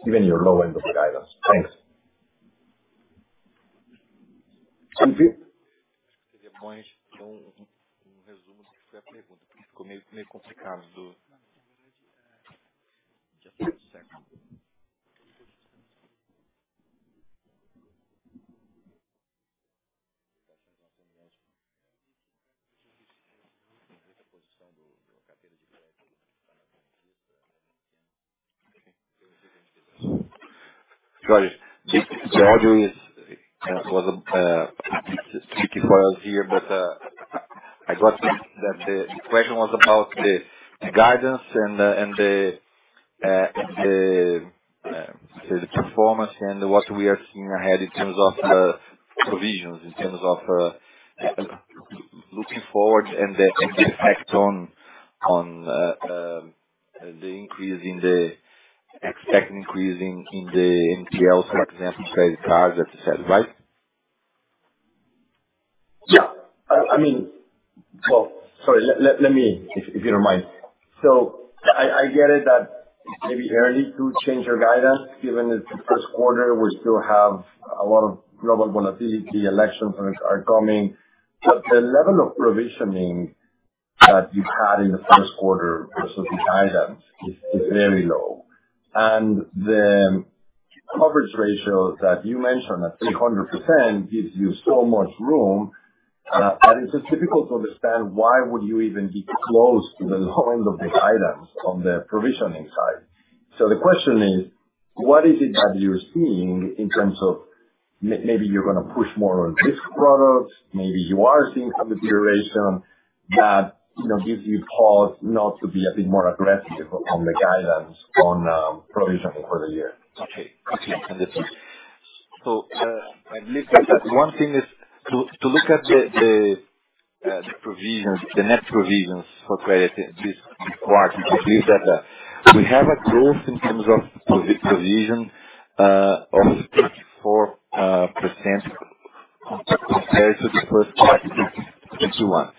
even your low end of the guidance. Thanks. Sorry. The audio is tricky for us here, but I got that the question was about the guidance and the performance and what we are seeing ahead in terms of provisions, in terms of looking forward and the effect on the expected increase in the NPLs, for example, credit cards, et cetera. Right? I mean. Well, sorry. Let me, if you don't mind. I get it that it's maybe early to change your guidance, given it's the first quarter, we still have a lot of global volatility, elections are coming. The level of provisioning that you had in the first quarter versus these items is very low. The coverage ratio that you mentioned at 300% gives you so much room, and it's just difficult to understand why would you even be close to the low end of the guidance on the provisioning side. The question is, what is it that you're seeing in terms of maybe you're gonna push more on risk products, maybe you are seeing a deterioration that, you know, gives you pause not to be a bit more aggressive on the guidance on provisioning for the year. Okay. I believe that one thing is to look at the provisions, the net provisions for credit risk required. We believe that we have a growth in terms of provision of 34% compared to the first quarter 2021.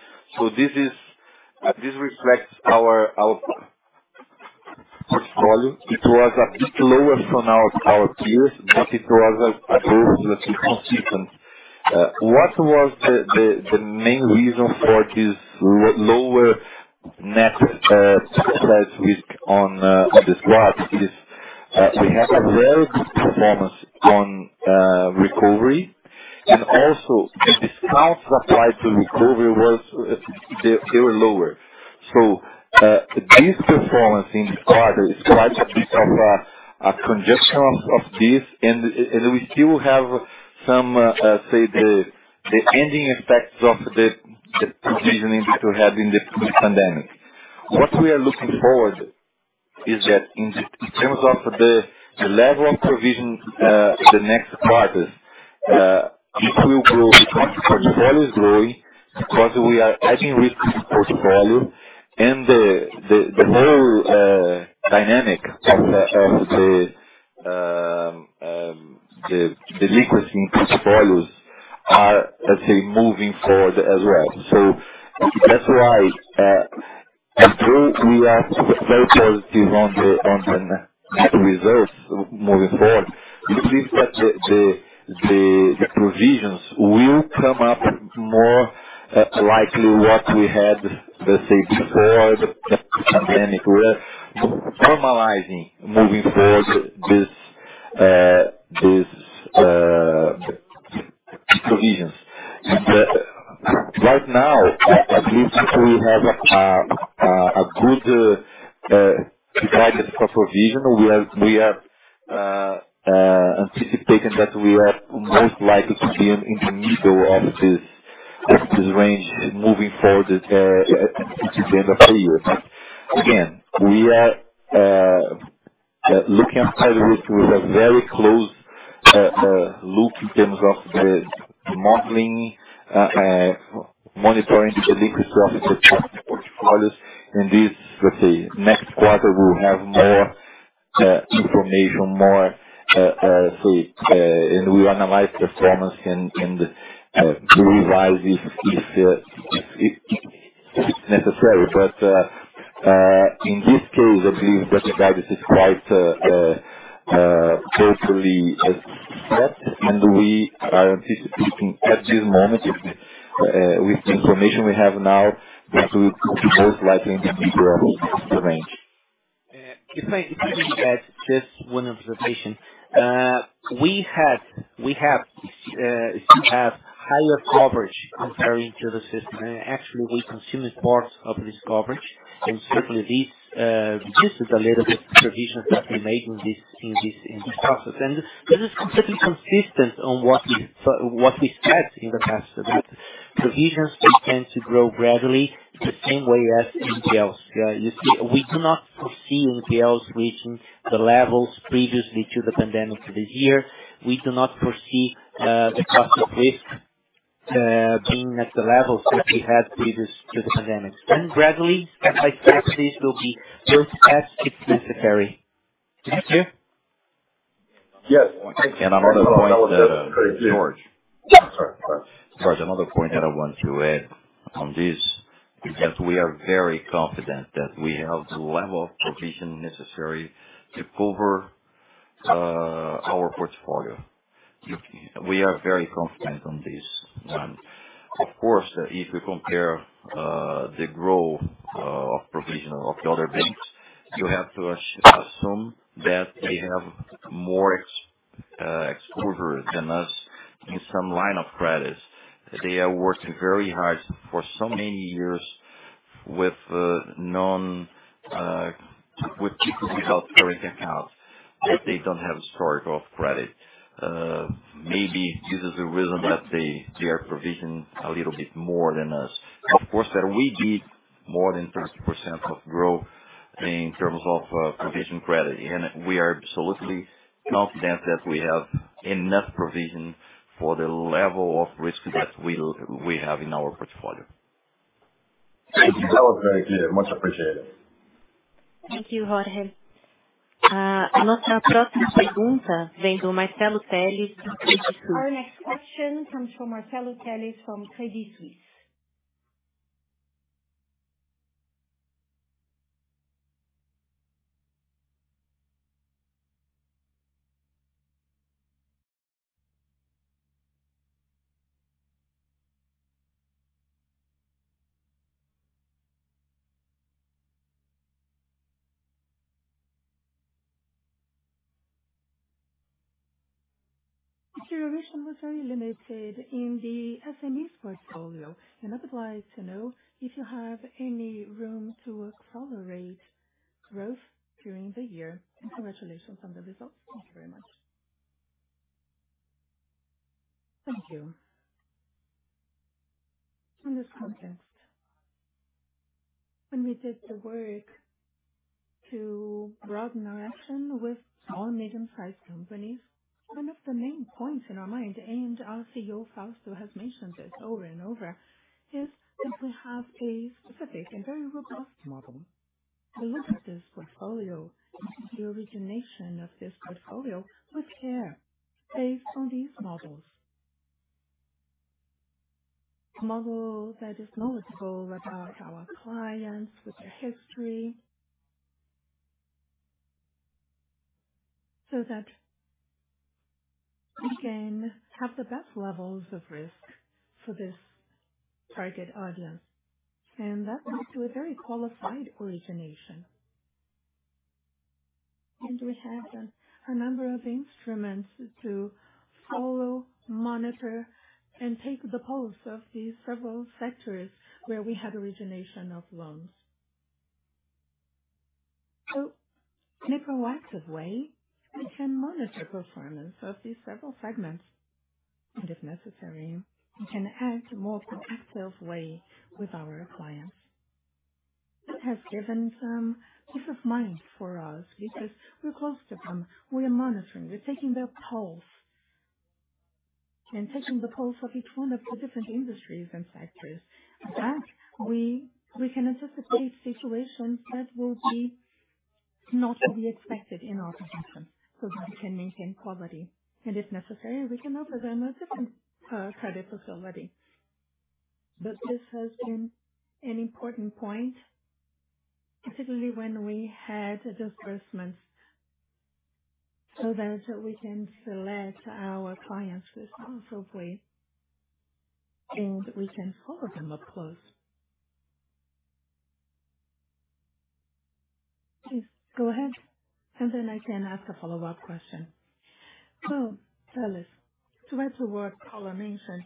This reflects our portfolio. It was a bit lower from our peers, but it was approximately consistent. What was the main reason for this lower net credit risk in this quarter is we have a very good performance on recovery. Also the discounts applied to recovery was they were lower. This performance in quarter is quite a bit of a consequence of this. We still have some of the ending effects of the provisioning that we had in the pandemic. What we are looking forward is that in terms of the level of provision, the next quarters, it will grow because the portfolio is growing, because we are adding risk to portfolio and the whole dynamic of the liquidity in portfolios are, let's say, moving forward as well. That's why, although we are very positive on the net reserves moving forward, we believe that the provisions will come up more likely what we had, let's say, before the pandemic. We are normalizing moving forward this provisions. Right now, at least we have a good guidance for provision. We are anticipating that we are most likely to be in the middle of this range moving forward until the end of the year. Again, we are looking at credit risk with a very close look in terms of the modeling, monitoring the liquidity of the portfolios. This, let's say, next quarter we will have more information, more say, and we analyze performance and revise it if necessary. In this case, I believe that the guidance is quite carefully set, and we are anticipating at this moment with the information we have now, that we will be most likely in the middle of the range. If I may add just one observation. We have higher coverage comparing to the system. Actually, we're consuming parts of this coverage. Certainly, this reduces a little bit provisions that we made in this process. This is completely consistent on what we said in the past. `Provisions, they tend to grow gradually the same way as NPLs. You see, we do not foresee NPLs reaching the levels previously to the pandemic this year. We do not foresee the cost of risk being at the levels that we had previous to the pandemic. Gradually, as I said, this will be discussed if necessary. Did you hear? Yes. Another point, Jorge. Sorry, go ahead. Jorge, another point that I want to add on this is that we are very confident that we have the level of provision necessary to cover our portfolio. We are very confident on this. Of course, if you compare the growth of provision of the other banks, you have to assume that they have more exposure than us in some line of credits. They are working very hard for so many years with people without current accounts, that they don't have historical credit. Maybe this is the reason that they are provision a little bit more than us. Of course that we did more than 30% of growth in terms of provision credit. We are absolutely confident that we have enough provision for the level of risk that we have in our portfolio. Thank you. That was very clear. Much appreciated. Thank you, Jorge. Our next question comes from Marcelo Telles from Credit Suisse. Your mission was very limited in the SMEs portfolio. I'd like to know if you have any room to accelerate growth during the year. Congratulations on the results. Thank you very much. Thank you. In this context, when we did the work to broaden our action with small and medium-sized companies, one of the main points in our mind, and our CEO, Fausto, has mentioned this over-and-over, is that we have a specific and very robust model to look at this portfolio, the origination of this portfolio with care based on these models. Model that is knowledgeable about our clients with their history so that we can have the best levels of risk for this target audience. That leads to a very qualified origination. We have a number of instruments to follow, monitor, and take the pulse of these several sectors where we have origination of loans. In a proactive way, we can monitor performance of these several segments. If necessary, we can act more in an active way with our clients. It has given some peace of mind for us because we're close to them. We are monitoring. We're taking their pulse and taking the pulse of each one of the different industries and sectors. We can anticipate situations that will be not to be expected in our collection so that we can maintain quality. If necessary, we can offer them a different credit facility. This has been an important point, particularly when we had disbursements, so that we can select our clients responsibly, and we can follow them up close. Please go ahead, and then I can ask a follow-up question. Telles, to add to what Paula mentioned,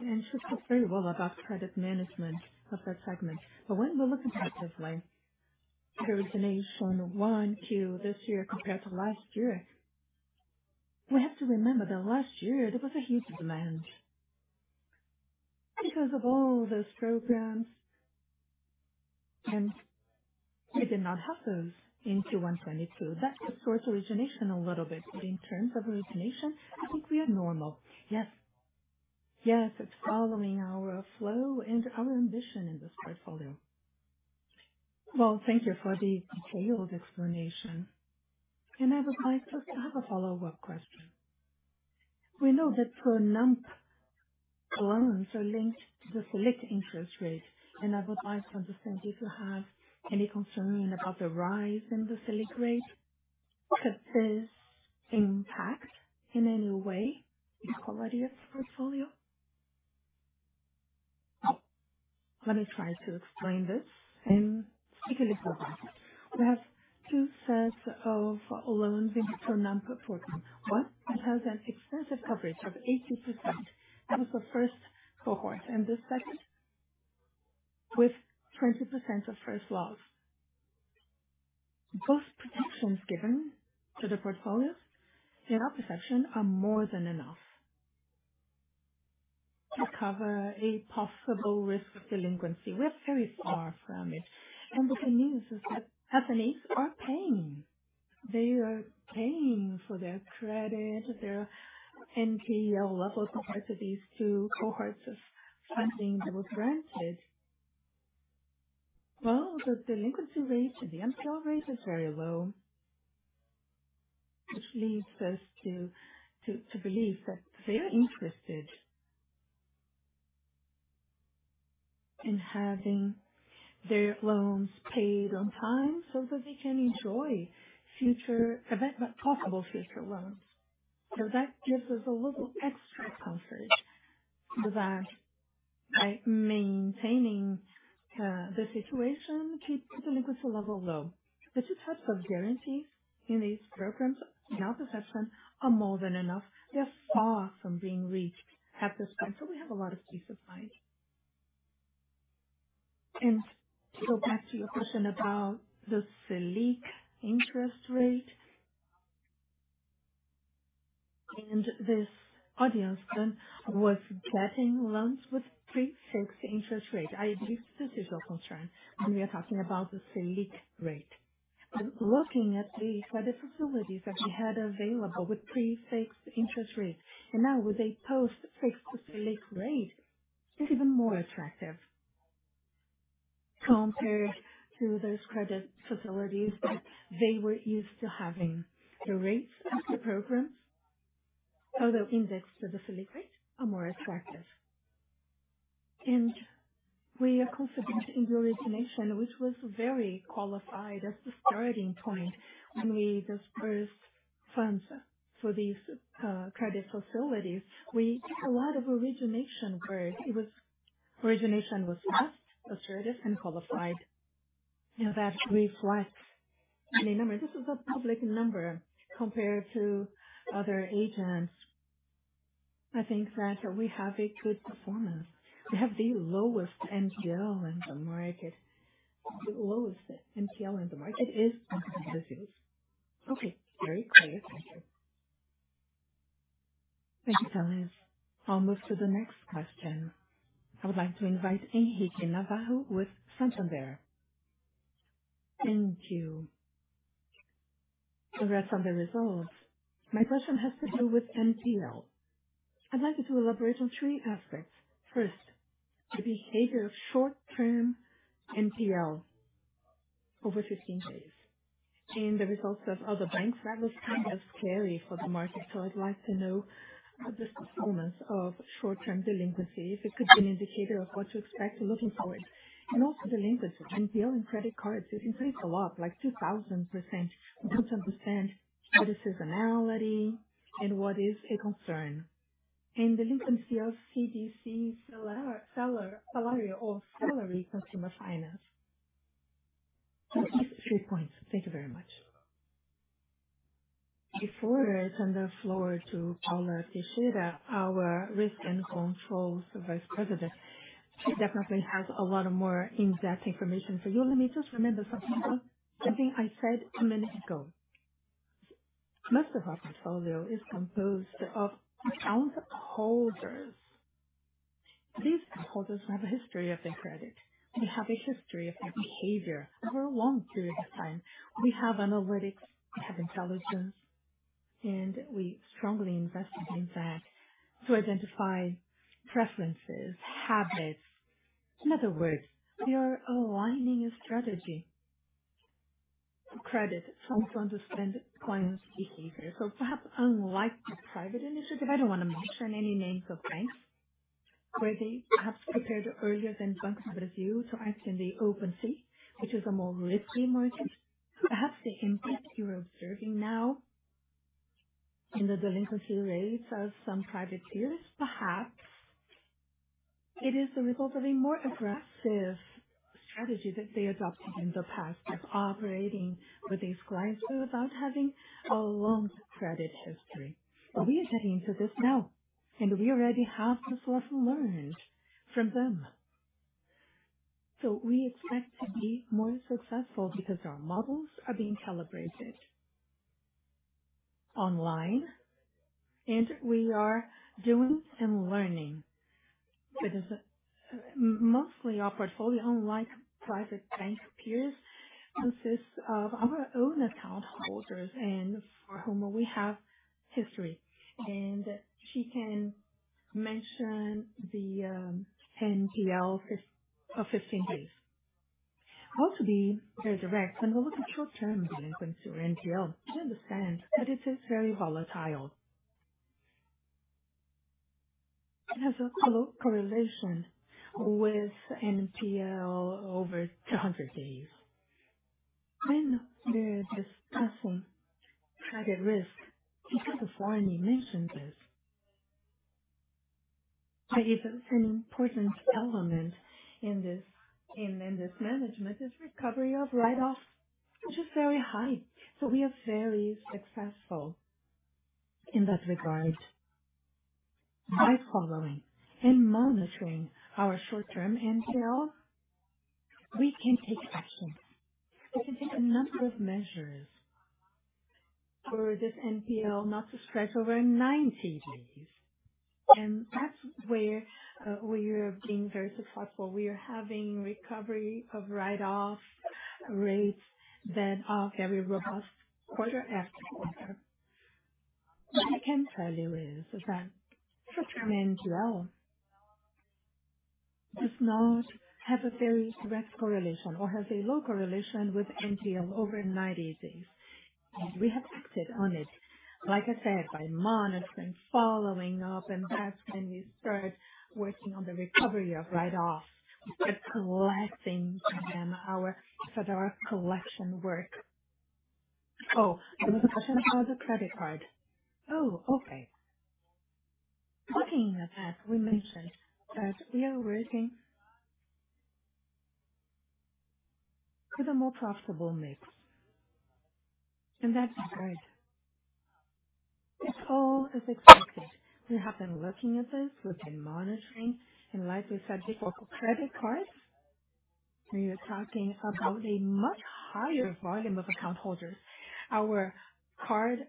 and she spoke very well about credit management of that segment. When we're looking at this link, the origination Q1, Q2 this year compared to last year, we have to remember that last year there was a huge demand because of all those programs, and we did not have those in Q2 2022. That distorts origination a little bit, but in terms of origination, I think we are normal. Yes. Yes, it's following our flow and our ambition in this portfolio. Well, thank you for the detailed explanation. I would like to have a follow-up question. We know that for Pronampe, loans are linked to the Selic interest rate. I would like to understand if you have any concern about the rise in the Selic rate. Could this impact in any way the quality of the portfolio? Let me try to explain this and speak a little about it. We have two sets of loans in for Pronampe portfolio. One, it has an extensive coverage of 80%. That is the first cohort. The second with 20% of first loss. Those protections given to the portfolios, in our perception, are more than enough to cover a possible risk of delinquency. Risks always arise from it. Good news is that customers are paying. They are paying for their credit, their NPL levels compared to these two cohorts of funding that were granted. Well, the delinquency rate and the NPL rate is very low, which leads us to believe that they are interested in having their loans paid on time so that they can enjoy possible future loans. That gives us a little extra comfort that by maintaining the situation, keep the delinquency level low. The two types of guarantees in these programs, in our perception, are more than enough. They are far from being reached at this point. We have a lot of peace of mind. Back to your question about the Selic interest rate. This audience then was getting loans with pre-fixed interest rate. I believe this is your concern when we are talking about the Selic rate. Looking at the credit facilities that we had available with pre-fixed interest rates and now with a post-fixed Selic rate, it's even more attractive compared to those credit facilities that they were used to having. The rates of the programs, although indexed to the Selic rate, are more attractive. We are confident in the origination, which was very qualified as the starting point when we dispersed funds for these credit facilities. We did a lot of origination work. Origination was just assertive and qualified. You know, that reflects in a number. This is a public number compared to other agents. I think that we have a good performance. We have the lowest NPL in the market. The lowest NPL in the market is Banco PAN does this. Okay, very clear, thank you. Thank you, guys. I'll move to the next question. I would like to invite Henrique Navarro with Santander. Thank you. Congrats on the results. My question has to do with NPL. I'd like you to elaborate on three aspects. First, the behavior of short-term NPL over 15 days and the results of other banks. That was kind of scary for the market, so I'd like to know the performance of short-term delinquencies. It could be an indicator of what to expect looking forward. Also delinquency, NPL in credit cards, it increased a lot, like 2,000%. I don't understand what is seasonality and what is a concern. Delinquency of CDC salary or salary consumer finance. Just 3 points. Thank you very much. Before I turn the floor to Paula Teixeira, our risk and controls Vice President, she definitely has a lot more in-depth information for you. Let me just remember something that I think I said a minute ago. Most of our portfolio is composed of account holders. These account holders have a history of their credit. They have a history of their behavior over a long period of time. We have analytics, we have intelligence, and we strongly invest in that to identify preferences, habits. In other words, we are aligning a credit strategy to understand clients' behavior. Perhaps unlike the private institutions, I don't want to mention any names of banks, where they perhaps prepared earlier than Banco PAN, so act in open finance, which is a more risky market. Perhaps the impact you're observing now in the delinquency rates of some private peers, perhaps it is the result of a more aggressive strategy that they adopted in the past of operating with these clients without having a long credit history. We are getting to this now, and we already have the lesson learned from them. We expect to be more successful because our models are being calibrated online, and we are doing some learning because mostly our portfolio, unlike private bank peers, consists of our own account holders and for whom we have history. She can mention the NPL of 15 days. I want to be very direct and look at short-term delinquency or NPL and understand that it is very volatile. It has a correlation with NPL over 200 days. When we're discussing credit risk, because before I mentioned this, but it's an important element in this management, is recovery of write-offs, which is very high. We are very successful in that regard. By following and monitoring our short term NPL, we can take action. We can take a number of measures for this NPL not to stretch over 90 days. That's where we are being very successful. We are having recovery of write-off rates that are very robust quarter after quarter. What I can tell you is that short-term NPL does not have a very direct correlation or has a low correlation with NPL over 90 days. We have acted on it, like I said, by monitoring, following up, and that's when we start working on the recovery of write-off. We're collecting them, our federal collection work. Oh, there was a question about the credit card. Oh, okay. Looking at that, we mentioned that we are working to the more profitable mix. That's right. It's all as expected. We have been looking at this. We've been monitoring and like we said, before credit cards, we are talking about a much higher volume of account holders. Our card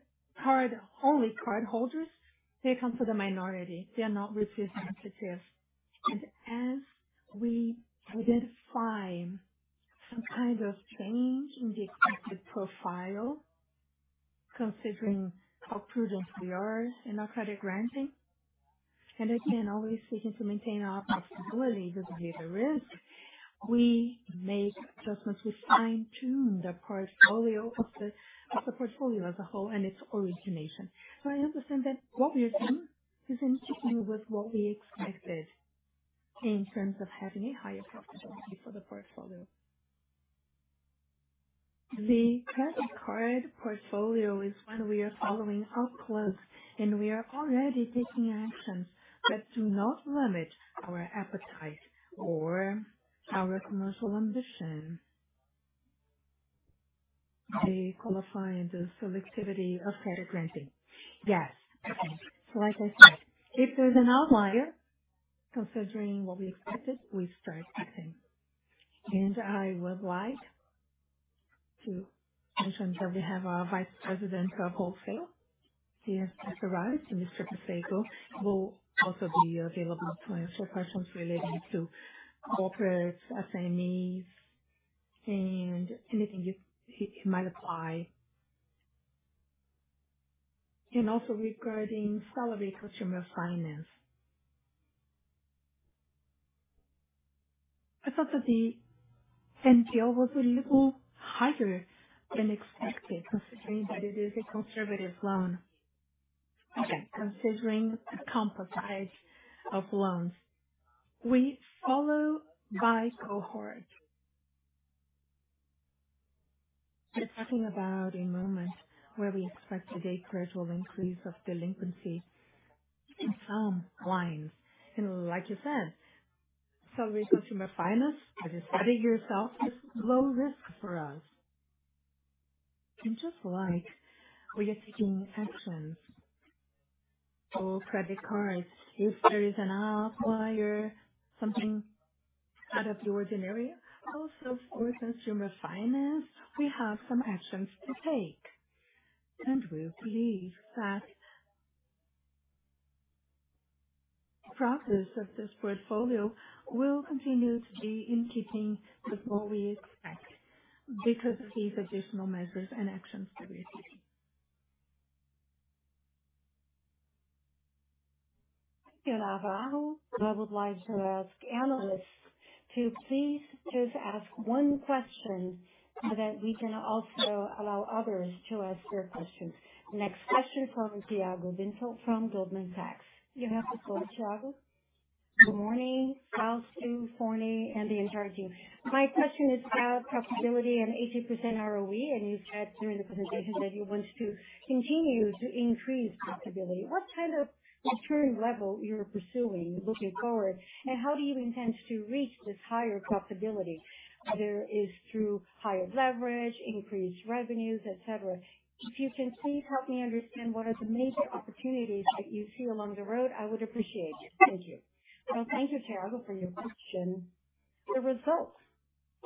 only card holders, they come to the minority. They are not representative. As we identify some kind of change in the expected profile, considering how prudent we are in our credit granting, and again, always seeking to maintain our profitability vis-à-vis the risk, we make adjustments. We fine-tune the portfolio of the portfolio as a whole and its origination. I understand that what we are doing is in keeping with what we expected in terms of having a higher profitability for the portfolio. The credit card portfolio is one we are following up close, and we are already taking actions that do not limit our appetite or our commercial ambition. They qualify the selectivity of credit granting. Yes. Like I said, if there's an outlier considering what we expected, we start acting. I would like to mention that we have our Vice President of Wholesale here after us, Mr. Pecego, who will also be available to answer questions relating to corporates, SMEs, and anything you he might apply. Also regarding salary consumer finance. I thought that the NPL was a little higher than expected, considering that it is a conservative loan. Again, considering the composition of loans. We follow by cohort. We're talking about a moment where we expect a gradual increase of delinquency in some lines. Like you said, salary consumer finance, as you said it yourself, is low risk for us. Just like we are taking actions for credit cards, if there is an outlier, something out of the ordinary, also for consumer finance, we have some actions to take. We believe that process of this portfolio will continue to be in keeping with what we expect because of these additional measures and actions that we are taking. Thank you, Navarro. I would like to ask analysts to please just ask one question so that we can also allow others to ask their questions. Next question from Tiago Binsfeld from Goldman Sachs. You may proceed, Tiago. Good morning, Fausto, Forni, and the entire team. My question is about profitability and 80% ROE, and you said during the presentation that you want to continue to increase profitability. What kind of maturity level you're pursuing looking forward, and how do you intend to reach this higher profitability? Whether it is through higher leverage, increased revenues, et cetera. If you can please help me understand what are the major opportunities that you see along the road, I would appreciate it. Thank you. Well, thank you, Tiago, for your question. The results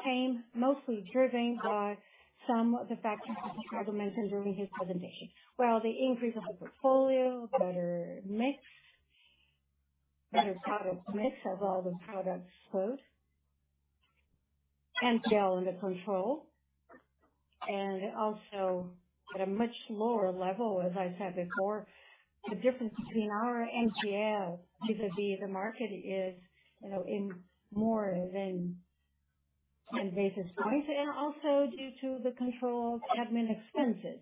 came mostly driven by some of the factors that Tiago mentioned during his presentation. Well, the increase of the portfolio, better mix, better product mix as all the products grow, NPL under control, and also at a much lower level, as I said before, the difference between our NPL vis-à-vis the market is, you know, in more than in basis points. Also due to the control of admin expenses,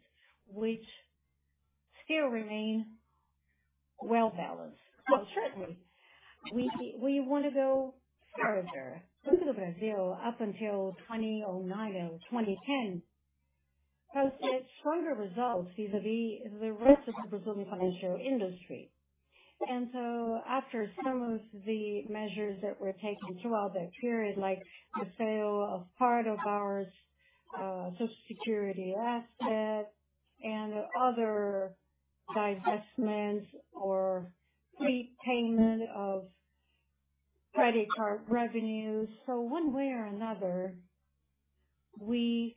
which still remain well balanced. Well, certainly we want to go further. Banco do Brasil up until 2009 and 2010 posted stronger results vis-à-vis the rest of the Brazilian financial industry. After some of the measures that were taken throughout that period, like the sale of part of our social security assets and other divestments or fee payment of credit card revenues. One way or another, we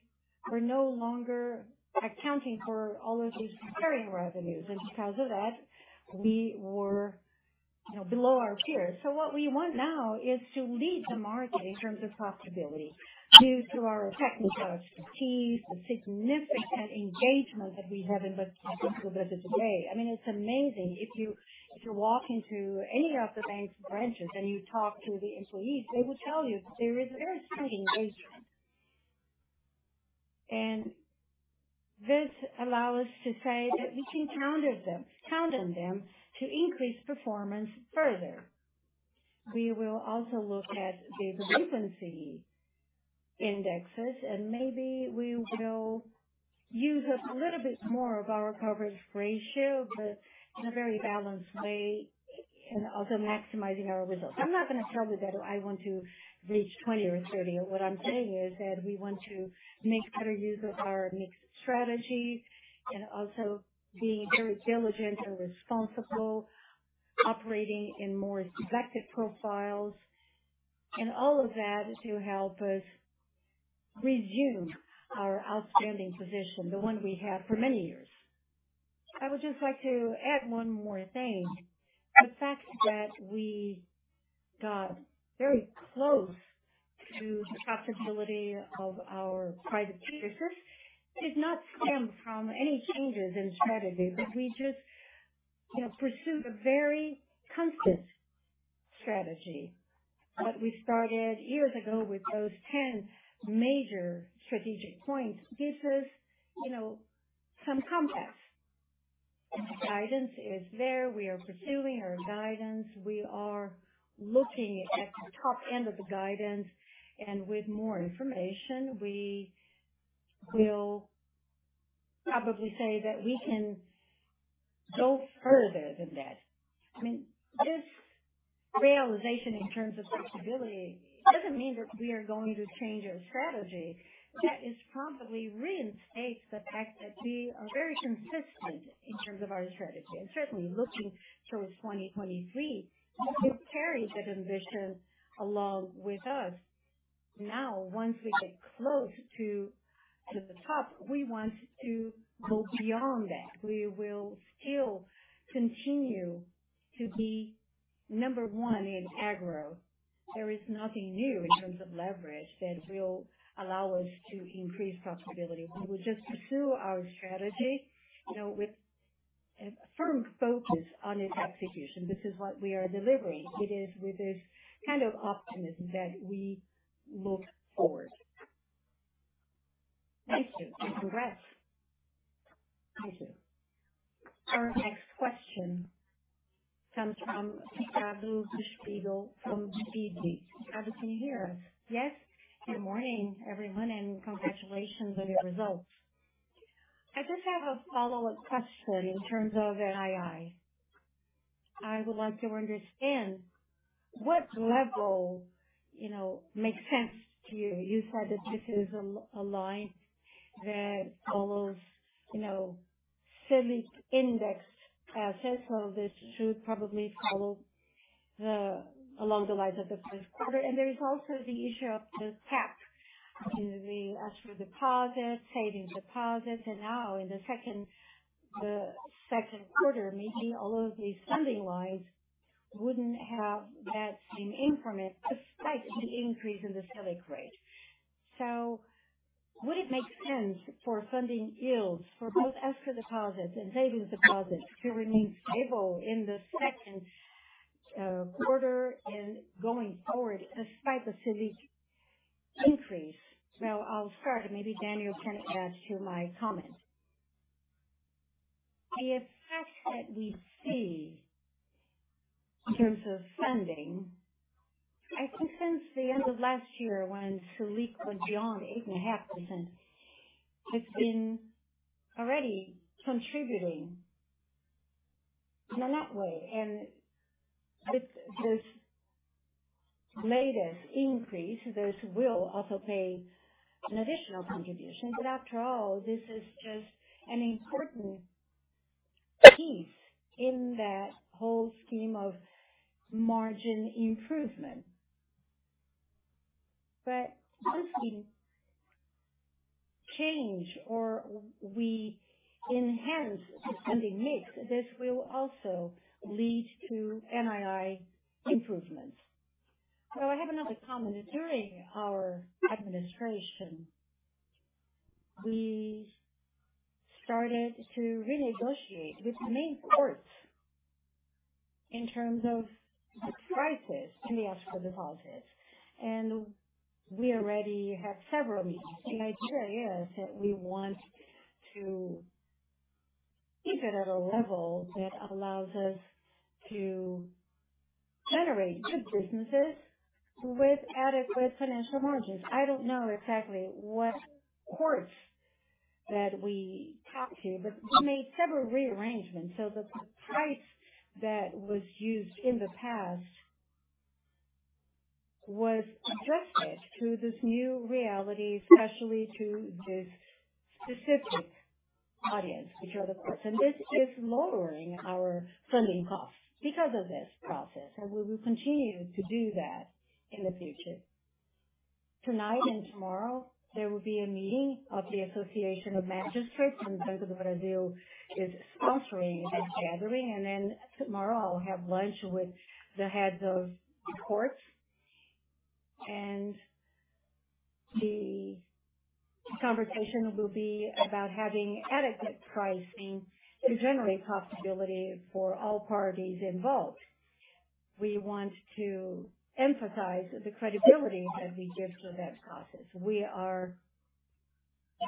were no longer accounting for all of these recurring revenues, and because of that, we were, you know, below our peers. What we want now is to lead the market in terms of profitability due to our technical expertise, the significant engagement that we have in the digital business today. I mean, it's amazing. If you walk into any of the bank's branches and you talk to the employees, they will tell you there is a very strong engagement. This allow us to say that we can count on them to increase performance further. We will also look at the frequency indexes, and maybe we will use a little bit more of our coverage ratio, but in a very balanced way and also maximizing our results. I'm not gonna tell you that I want to reach 20 or 30. What I'm saying is that we want to make better use of our mixed strategy and also be very diligent and responsible, operating in more selective profiles and all of that to help us resume our outstanding position, the one we had for many years. I would just like to add one more thing. The fact that we got very close to the profitability of our private peers did not stem from any changes in strategy, but we just, you know, pursued a very constant strategy that we started years ago with those 10 major strategic points. This is, you know, some context. Guidance is there. We are pursuing our guidance. We are looking at the top end of the guidance, and with more information, we will probably say that we can go further than that. I mean, this realization in terms of profitability doesn't mean that we are going to change our strategy. That is probably reinstates the fact that we are very consistent in terms of our strategy. Certainly looking towards 2023, we carry that ambition along with us. Now, once we get close to the top, we want to go beyond that. We will still continue to be number one in agro. There is nothing new in terms of leverage that will allow us to increase profitability. We will just pursue our strategy, you know, with a firm focus on its execution. This is what we are delivering. It is with this kind of optimism that we look forward. Thank you. Congrats. Thank you. Our next question comes from Ricardo Buchpiguel from BTG. Ricardo, can you hear us? Yes. Good morning, everyone, and congratulations on your results. I just have a follow-up question in terms of NII. I would like to understand what level, you know, makes sense to you. You said that this is a line that follows, you know, Selic indexed deposits should probably follow along the lines of the first quarter. There is also the issue of the cap in the escrow deposits, savings deposits. Now in the second quarter, maybe all of these funding lines wouldn't have that same increment despite the increase in the Selic rate. Would it make sense for funding yields for both escrow deposits and savings deposits to remain stable in the second quarter and going forward despite the Selic increase? Well, I'll start, and maybe Daniel can add to my comment. The effect that we see in terms of funding, I think since the end of last year, when Selic went beyond 8.5%, it's been already contributing in a net way. With this latest increase, this will also play an additional contribution. After all, this is just an important piece in that whole scheme of margin improvement. If we change or we enhance the funding mix, this will also lead to NII improvements. Well, I have another comment. During our administration, we started to renegotiate with the main courts in terms of the prices in the escrow deposits. We already had several meetings. The idea is that we want to keep it at a level that allows us to generate good businesses with adequate financial margins. I don't know exactly what courts that we talked to, but we made several rearrangements. The price that was used in the past was adjusted to this new reality, especially to this specific audience, which are the courts. This is lowering our funding costs because of this process, and we will continue to do that in the future. Tonight and tomorrow, there will be a meeting of the Association of Magistrates, and Banco do Brasil is sponsoring that gathering. Then tomorrow, I'll have lunch with the heads of courts. The conversation will be about having adequate pricing to generate profitability for all parties involved. We want to emphasize the credibility that we give to that process. We are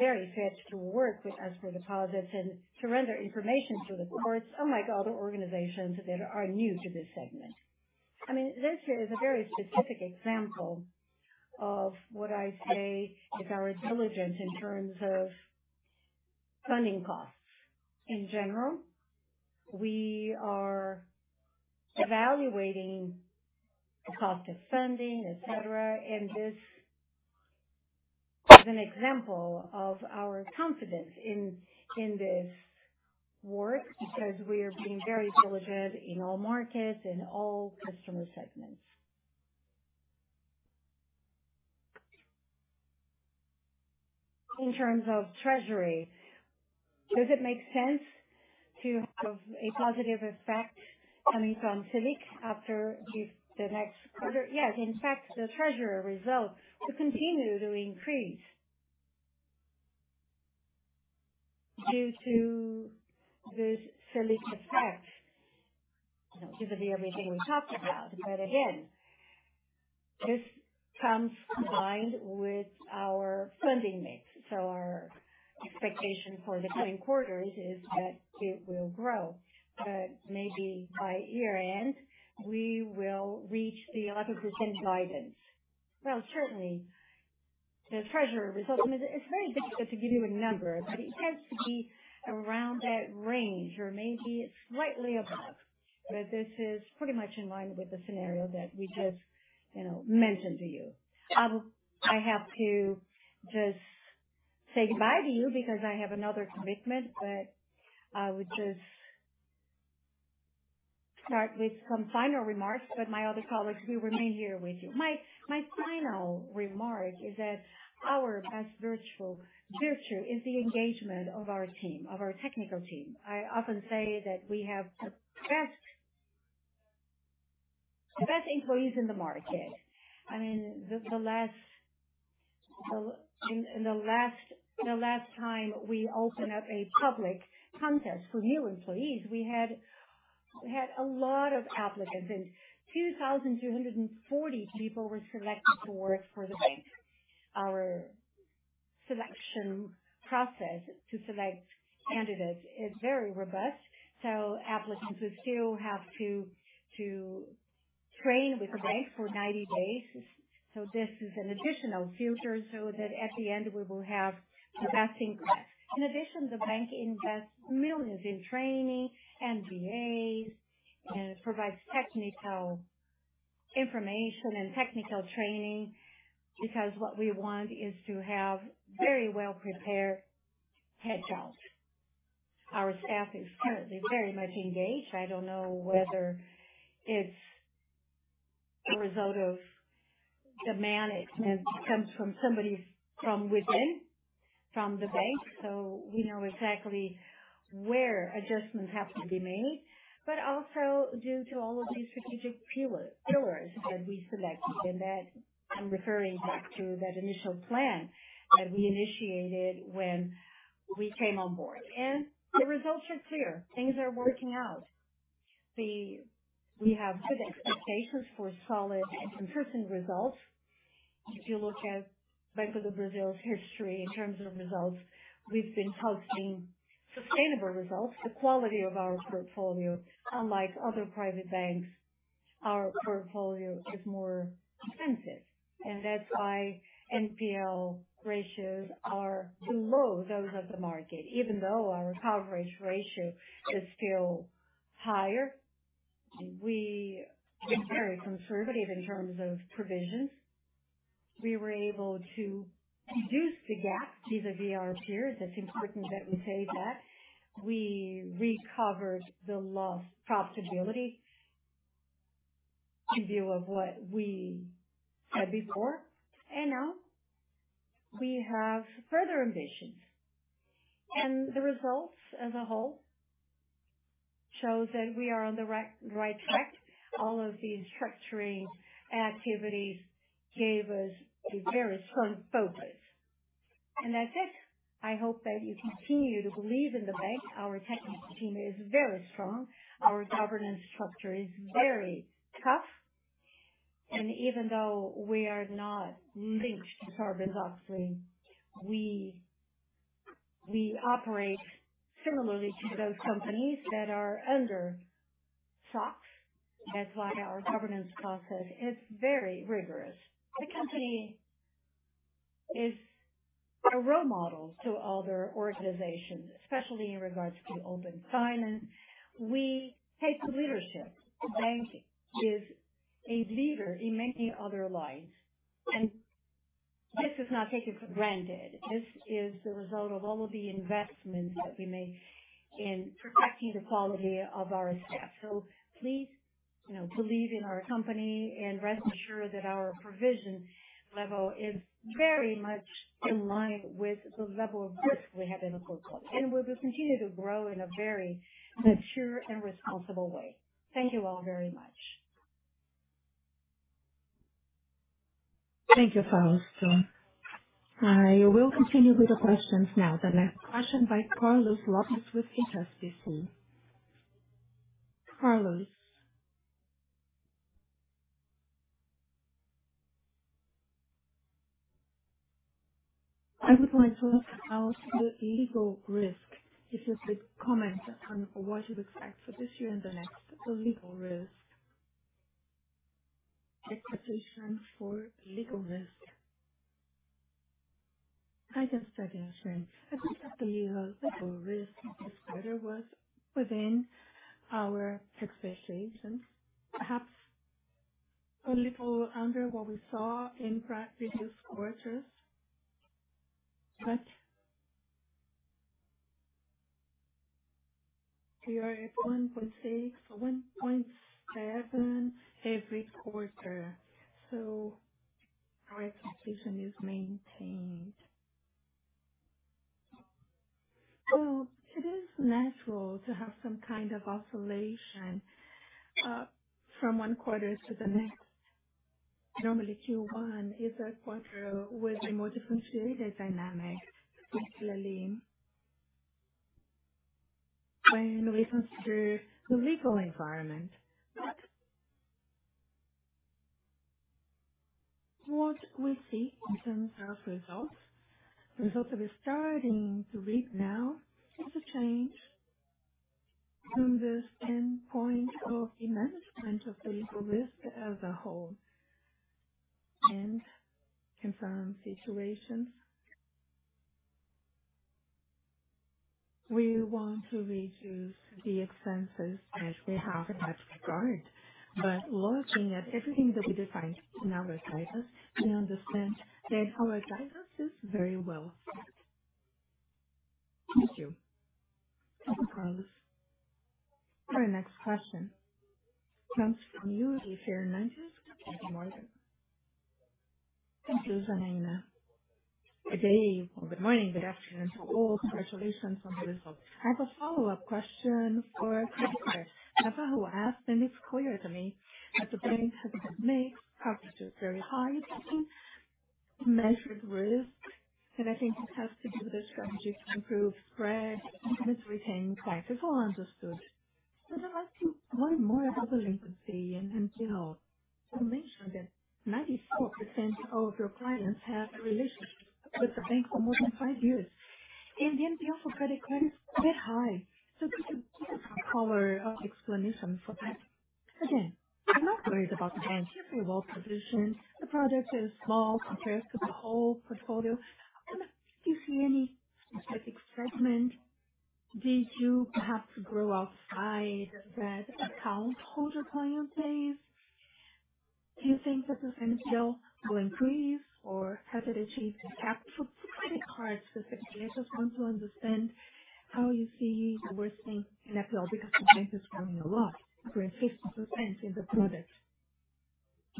very fit to work with us for deposits and to render information to the courts, unlike other organizations that are new to this segment. I mean, this here is a very specific example of what I say if I was diligent in terms of funding costs. In general, we are evaluating cost of funding, et cetera. This is an example of our confidence in this work because we are being very diligent in all markets and all customer segments. In terms of treasury, does it make sense to have a positive effect coming from Selic after the next quarter? Yes. In fact, the treasury result to continue to increase due to this Selic effect. You know, given everything we talked about. Again, this comes combined with our funding mix. Our expectation for the coming quarters is that it will grow. Maybe by year-end, we will reach the 11% guidance. Well, certainly the treasurer result, I mean, it's very difficult to give you a number, but it tends to be around that range or maybe slightly above. This is pretty much in line with the scenario that we just, you know, mentioned to you. I have to just say goodbye to you because I have another commitment, but I would just start with some final remarks, but my other colleagues will remain here with you. My final remark is that our best virtue is the engagement of our team, of our technical team. I often say that we have the best employees in the market. I mean, the last time we opened up a public contest for new employees, we had a lot of applicants, and 2,240 people were selected to work for the bank. Our selection process to select candidates is very robust, so applicants will still have to train with the bank for 90 days. This is an additional filter so that at the end we will have the best in class. In addition, the bank invests millions in training, MBAs, and it provides technical information and technical training because what we want is to have very well-prepared hedgehogs. Our staff is currently very much engaged. I don't know whether it's a result of the management that comes from somebody from within, from the bank, so we know exactly where adjustments have to be made, but also due to all of these strategic pillars that we selected. That I'm referring back to that initial plan that we initiated when we came on board. The results are clear. Things are working out. We have good expectations for solid and consistent results. If you look at Banco do Brasil's history in terms of results, we've been posting sustainable results. The quality of our portfolio, unlike other private banks, our portfolio is more expensive, and that's why NPL ratios are below those of the market, even though our coverage ratio is still higher. We are very conservative in terms of provisions. We were able to reduce the gap vis-à-vis our peers. It's important that we say that. We recovered the lost profitability in view of what we said before, and now we have further ambitions. The results as a whole show that we are on the right track. All of the structuring activities gave us a very strong focus. That's it. I hope that you continue to believe in the bank. Our technical team is very strong. Our governance structure is very tough. Even though we are not linked to Sarbanes-Oxley, we operate similarly to those companies that are under SOX. That's why our governance process is very rigorous. The company Is a role model to other organizations, especially in regards to open finance. We take leadership. The bank is a leader in many other lines, and this is not taken for granted. This is the result of all of the investments that we made in perfecting the quality of our staff. Please, you know, believe in our company and rest assured that our provision level is very much in line with the level of risk we have in the portfolio. We will continue to grow in a very mature and responsible way. Thank you all very much. Thank you, Fausto. I will continue with the questions now. The next question by Carlos Gomez-Lopez with HSBC. Carlos. I would like to ask about the legal risk. If you could comment on what you expect for this year and the next. The legal risk. Expectation for legal risk. I can start answering. I think that the legal risk this quarter was within our expectations. Perhaps a little under what we saw in previous quarters. We are at 1.6%-1.7% every quarter, so our expectation is maintained. Well, it is natural to have some kind of oscillation from one quarter to the next. Normally, Q1 is a quarter with a more differentiated dynamic, particularly in reference to the legal environment. What we see in terms of results, the results that we're starting to reap now is a change from this standpoint of the management of the legal risk as a whole and confirm situations. We want to reduce the expenses that we have in that regard. Looking at everything that we defined in our guidance, we understand that our guidance is very well set. Thank you. Thank you, Carlos. Our next question comes from you, Yuri Fernandes with JPMorgan. Thank you, Janaína. Good day or good morning, good afternoon to all. Congratulations on the results. I have a follow-up question for credit card. Navarro, who asked and it's clear to me that the bank has made profits just very high measured risk. I think it has to do with the strategy to improve spread and to retain clients. It's all understood. I'd like to learn more about the delinquency in NPL. You mentioned that 94% of your clients have a relationship with the bank for more than five years, and the NPL for credit card is a bit high. Could you offer an explanation for that? Again, I'm not worried about the change in your vault position. The product is small compared to the whole portfolio. Do you see any specific segment? Did you perhaps grow outside that account holder client base? Do you think that this NPL will increase or has it achieved its cap for credit cards specifically? I just want to understand how you see the worsening in NPL because the bank is growing a lot, growing 50% in the product.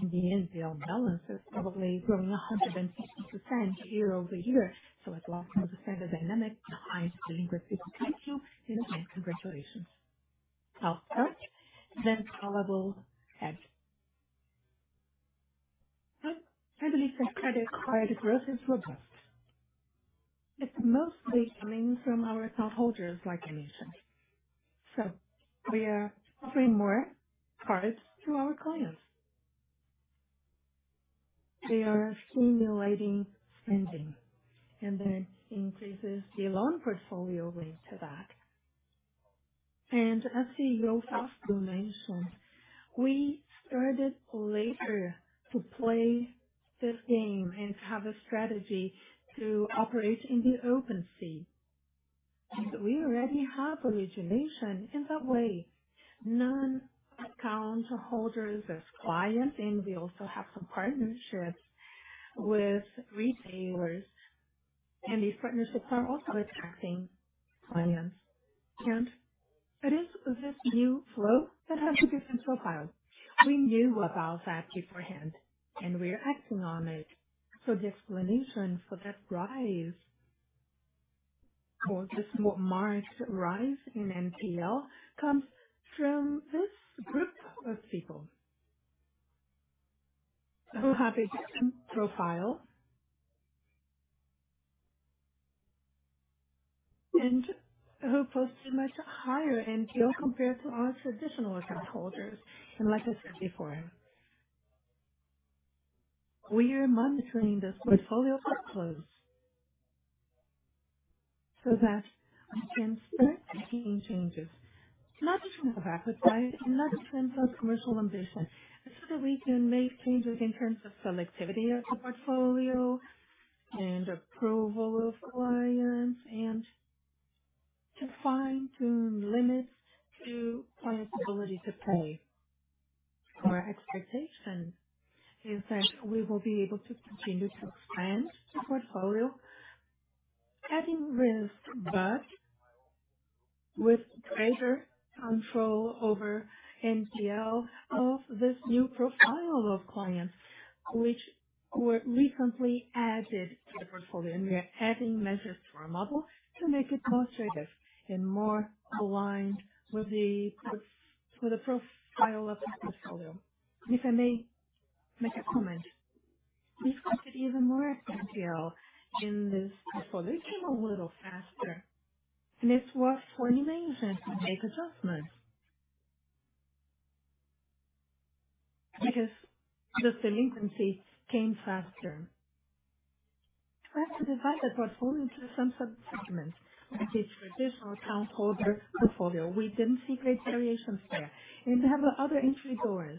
In the end, the NPL balance is probably growing 150% year-over-year. I'd like to understand the dynamic behind the delinquency. Thank you in advance. Congratulations. I'll start, then Pablo can. I believe that credit card growth is robust. It's mostly coming from our account holders, like I mentioned. We are offering more cards to our clients. They are stimulating spending and that increases the loan portfolio linked to that. As CEO Fausto mentioned, we started later to play this game and have a strategy to operate in the open finance. We already have origination in that way. Non-account holders as clients, and we also have some partnerships with retailers. These partnerships are also attracting clients. It is this new flow that has a different profile. We knew about that beforehand and we are acting on it. The explanation for that rise or this more marked rise in NPL comes from this group of people who have a different profile who posted much higher NPL compared to our traditional account holders. Like I said before, we are monitoring those portfolios up close so that we can start making changes, not just from the credit side and not in terms of commercial ambition. It's so that we can make changes in terms of selectivity of the portfolio and approval of clients, and to fine-tune limits to clients' ability to pay. Our expectation is that we will be able to continue to expand the portfolio, adding risk, but with greater control over NPL of this new profile of clients which were recently added to the portfolio. We are adding measures to our model to make it more iterative and more aligned with the profile of the portfolio. If I may make a comment. We've got even more NPL in this portfolio. It came a little faster, and it is what Forni mentioned to make adjustments. Because the delinquency came faster. We have to divide the portfolio into some sub-segments. With the traditional account holder portfolio, we didn't see great variations there. We have other entry doors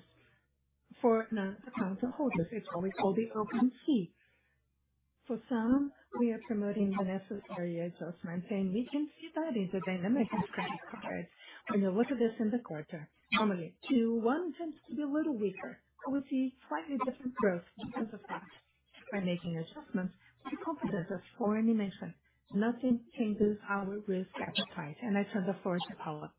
for non-account holders. It's what we call the open finance. For some, we are promoting the necessary adjustment and making studies of dynamics of credit cards. We know what it is in the quarter. Normally Q2, Q1 tends to be a little weaker, but we see slightly different growth in terms of that. We're making adjustments to compensate us for inflation. Nothing changes our risk appetite. I turn the floor to Paula.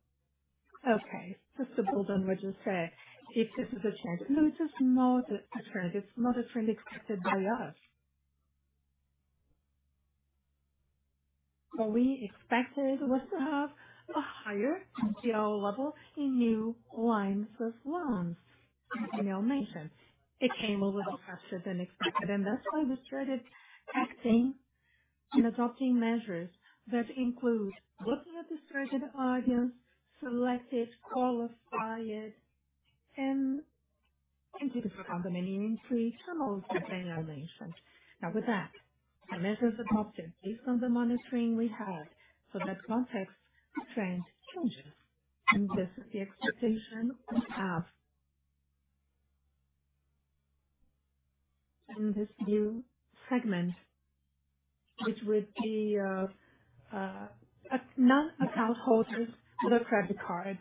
Okay. Just to build on what you said, if this is a change? No, it is not a trend. It's not a trend expected by us. What we expected was to have a higher NPL level in new lines of loans in our origination. It came a little faster than expected, and that's why we started acting and adopting measures that include looking at the targeted audience, select it, qualify it, and include it for account opening entry to most of our nations. Now with that, the measures adopted based on the monitoring we have. That context, the trend changes, and this is the expectation we have. In this new segment, which would be, a non-account holders with a credit card.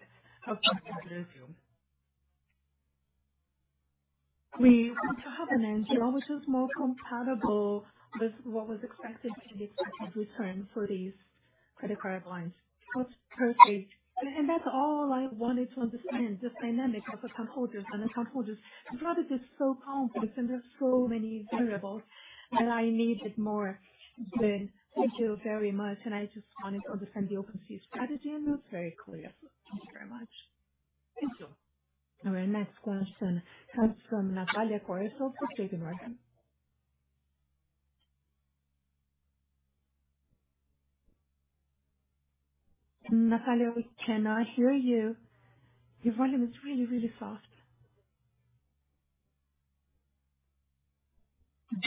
We want to have an NPL which is more compatible with what was expected to be expected return for these credit card lines. Perfect. That's all I wanted to understand, the dynamic of account holders. Non-account holders. The product is so complex, and there are so many variables, and I needed more than. Thank you very much. I just wanted to understand the open seat strategy, and that's very clear. Thank you very much. Thank you. Our next question comes from Natalia Corfield of JPMorgan. Natalia, we cannot hear you. Your volume is really, really soft.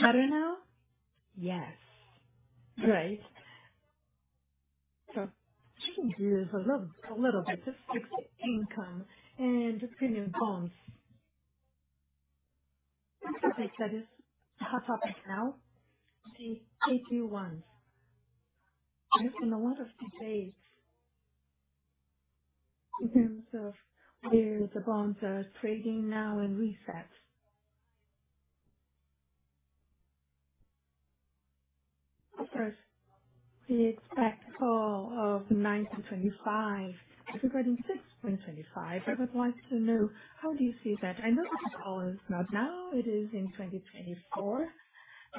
Better now? Yes. Great. So changes a little bit to fixed income and premium bonds. One topic that is a hot topic now is AT1s. There's been a lot of debates in terms of where the bonds are trading now and resets. Of course, we expect call of 2025 regarding 6.25. I would like to know, how do you see that? I know the call is not now. It is in 2024.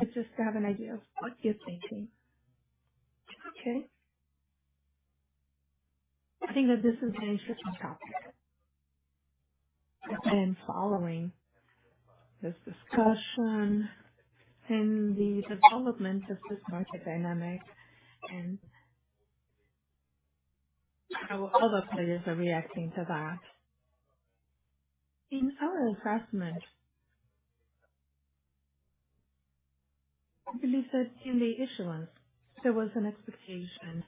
It's just to have an idea of what you're thinking. Okay. I think that this is an interesting topic. I've been following this discussion and the development of this market dynamic and how other players are reacting to that. In our assessment, we believe that in the issuance, there was an expectation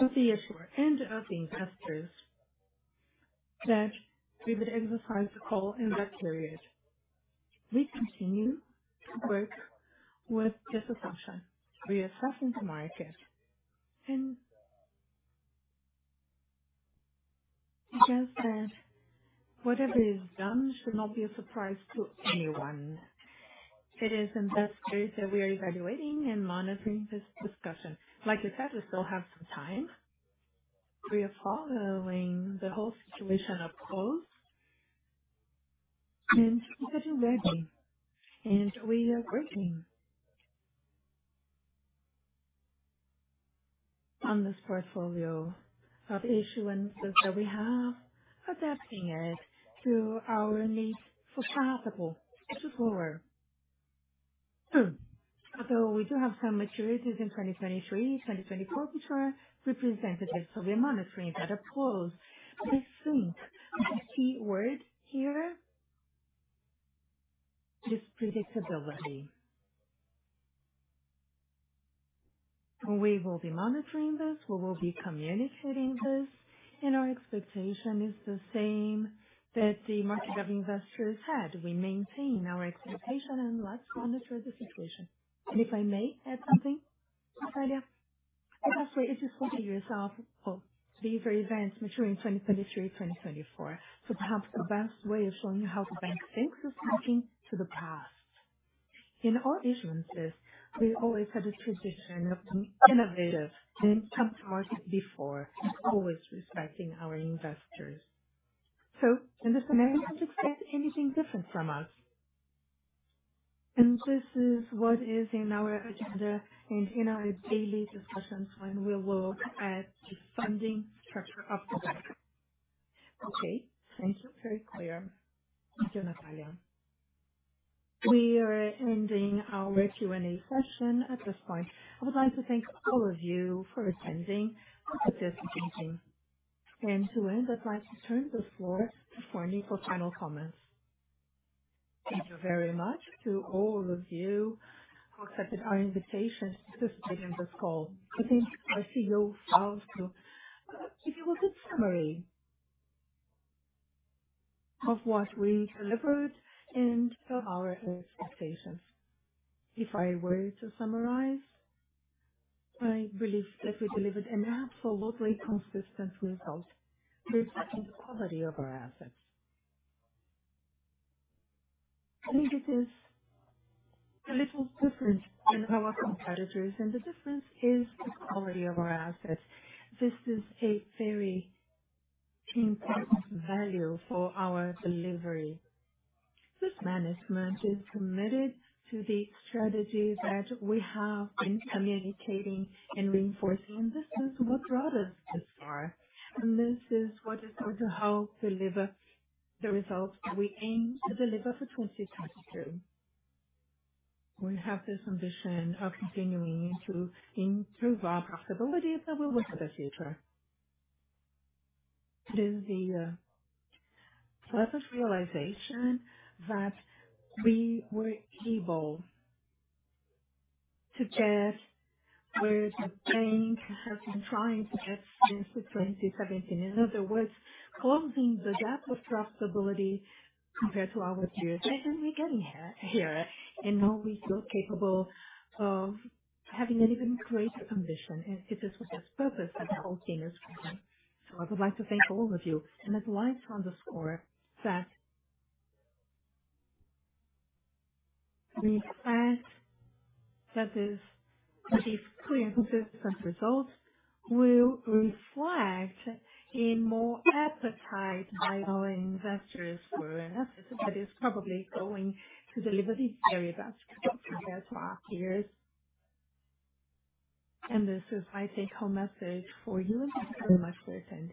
of the issuer and of the investors that we would exercise the call in that period. We continue to work with this assumption, reassessing the market and suggest that whatever is done should not be a surprise to anyone. It is investors that we are evaluating and monitoring this discussion. Like I said, we still have some time. We are following the whole situation up close and keeping ready, and we are working on this portfolio of issuances that we have, adapting it to our needs for possible issuer. We do have some maturities in 2023, 2024 which are representative. We are monitoring that up close. I think the key word here is predictability. We will be monitoring this, we will be communicating this, and our expectation is the same that the market of investors had. We maintain our expectation and let's monitor the situation. If I may add something, Natalia. It is 40 years of BB debentures maturing 2023, 2024. Perhaps the best way of showing you how the bank thinks is looking to the past. In all issuances, we always had a tradition of being innovative and come forward before and always respecting our investors. In this scenario, don't expect anything different from us. This is what is in our agenda and in our daily discussions when we will add the funding structure of the bank. Okay. Thank you. Very clear. Thank you, Natalia. We are ending our Q&A session at this point. I would like to thank all of you for attending and participating. To end, I'd like to turn the floor to Ricardo Forni for final comments. Thank you very much to all of you who accepted our invitation to participate in this call. I think our CEO, Fausto, gave you a good summary of what we delivered and of our expectations. If I were to summarize, I believe that we delivered an absolutely consistent result reflecting the quality of our assets. I think it is a little different than our competitors, and the difference is the quality of our assets. This is a very important value for our delivery. This management is committed to the strategy that we have been communicating and reinforcing. This is what brought us this far, and this is what is going to help deliver the results that we aim to deliver for 2022. We have this ambition of continuing to improve our profitability, but we look to the future. It is the pleasant realization that we were able to get where the bank has been trying to get since 2017. In other words, closing the gap of profitability compared to our peers. We are getting here, and now we feel capable of having an even greater ambition. It is with this purpose that the whole team is working. I would like to thank all of you. I'd like to underscore that the fact that this, these clear consistent results will reflect a more appetite by our investors for an asset that is probably going to deliver the very best compared to our peers. This is my take home message for you. Thank you very much for attending.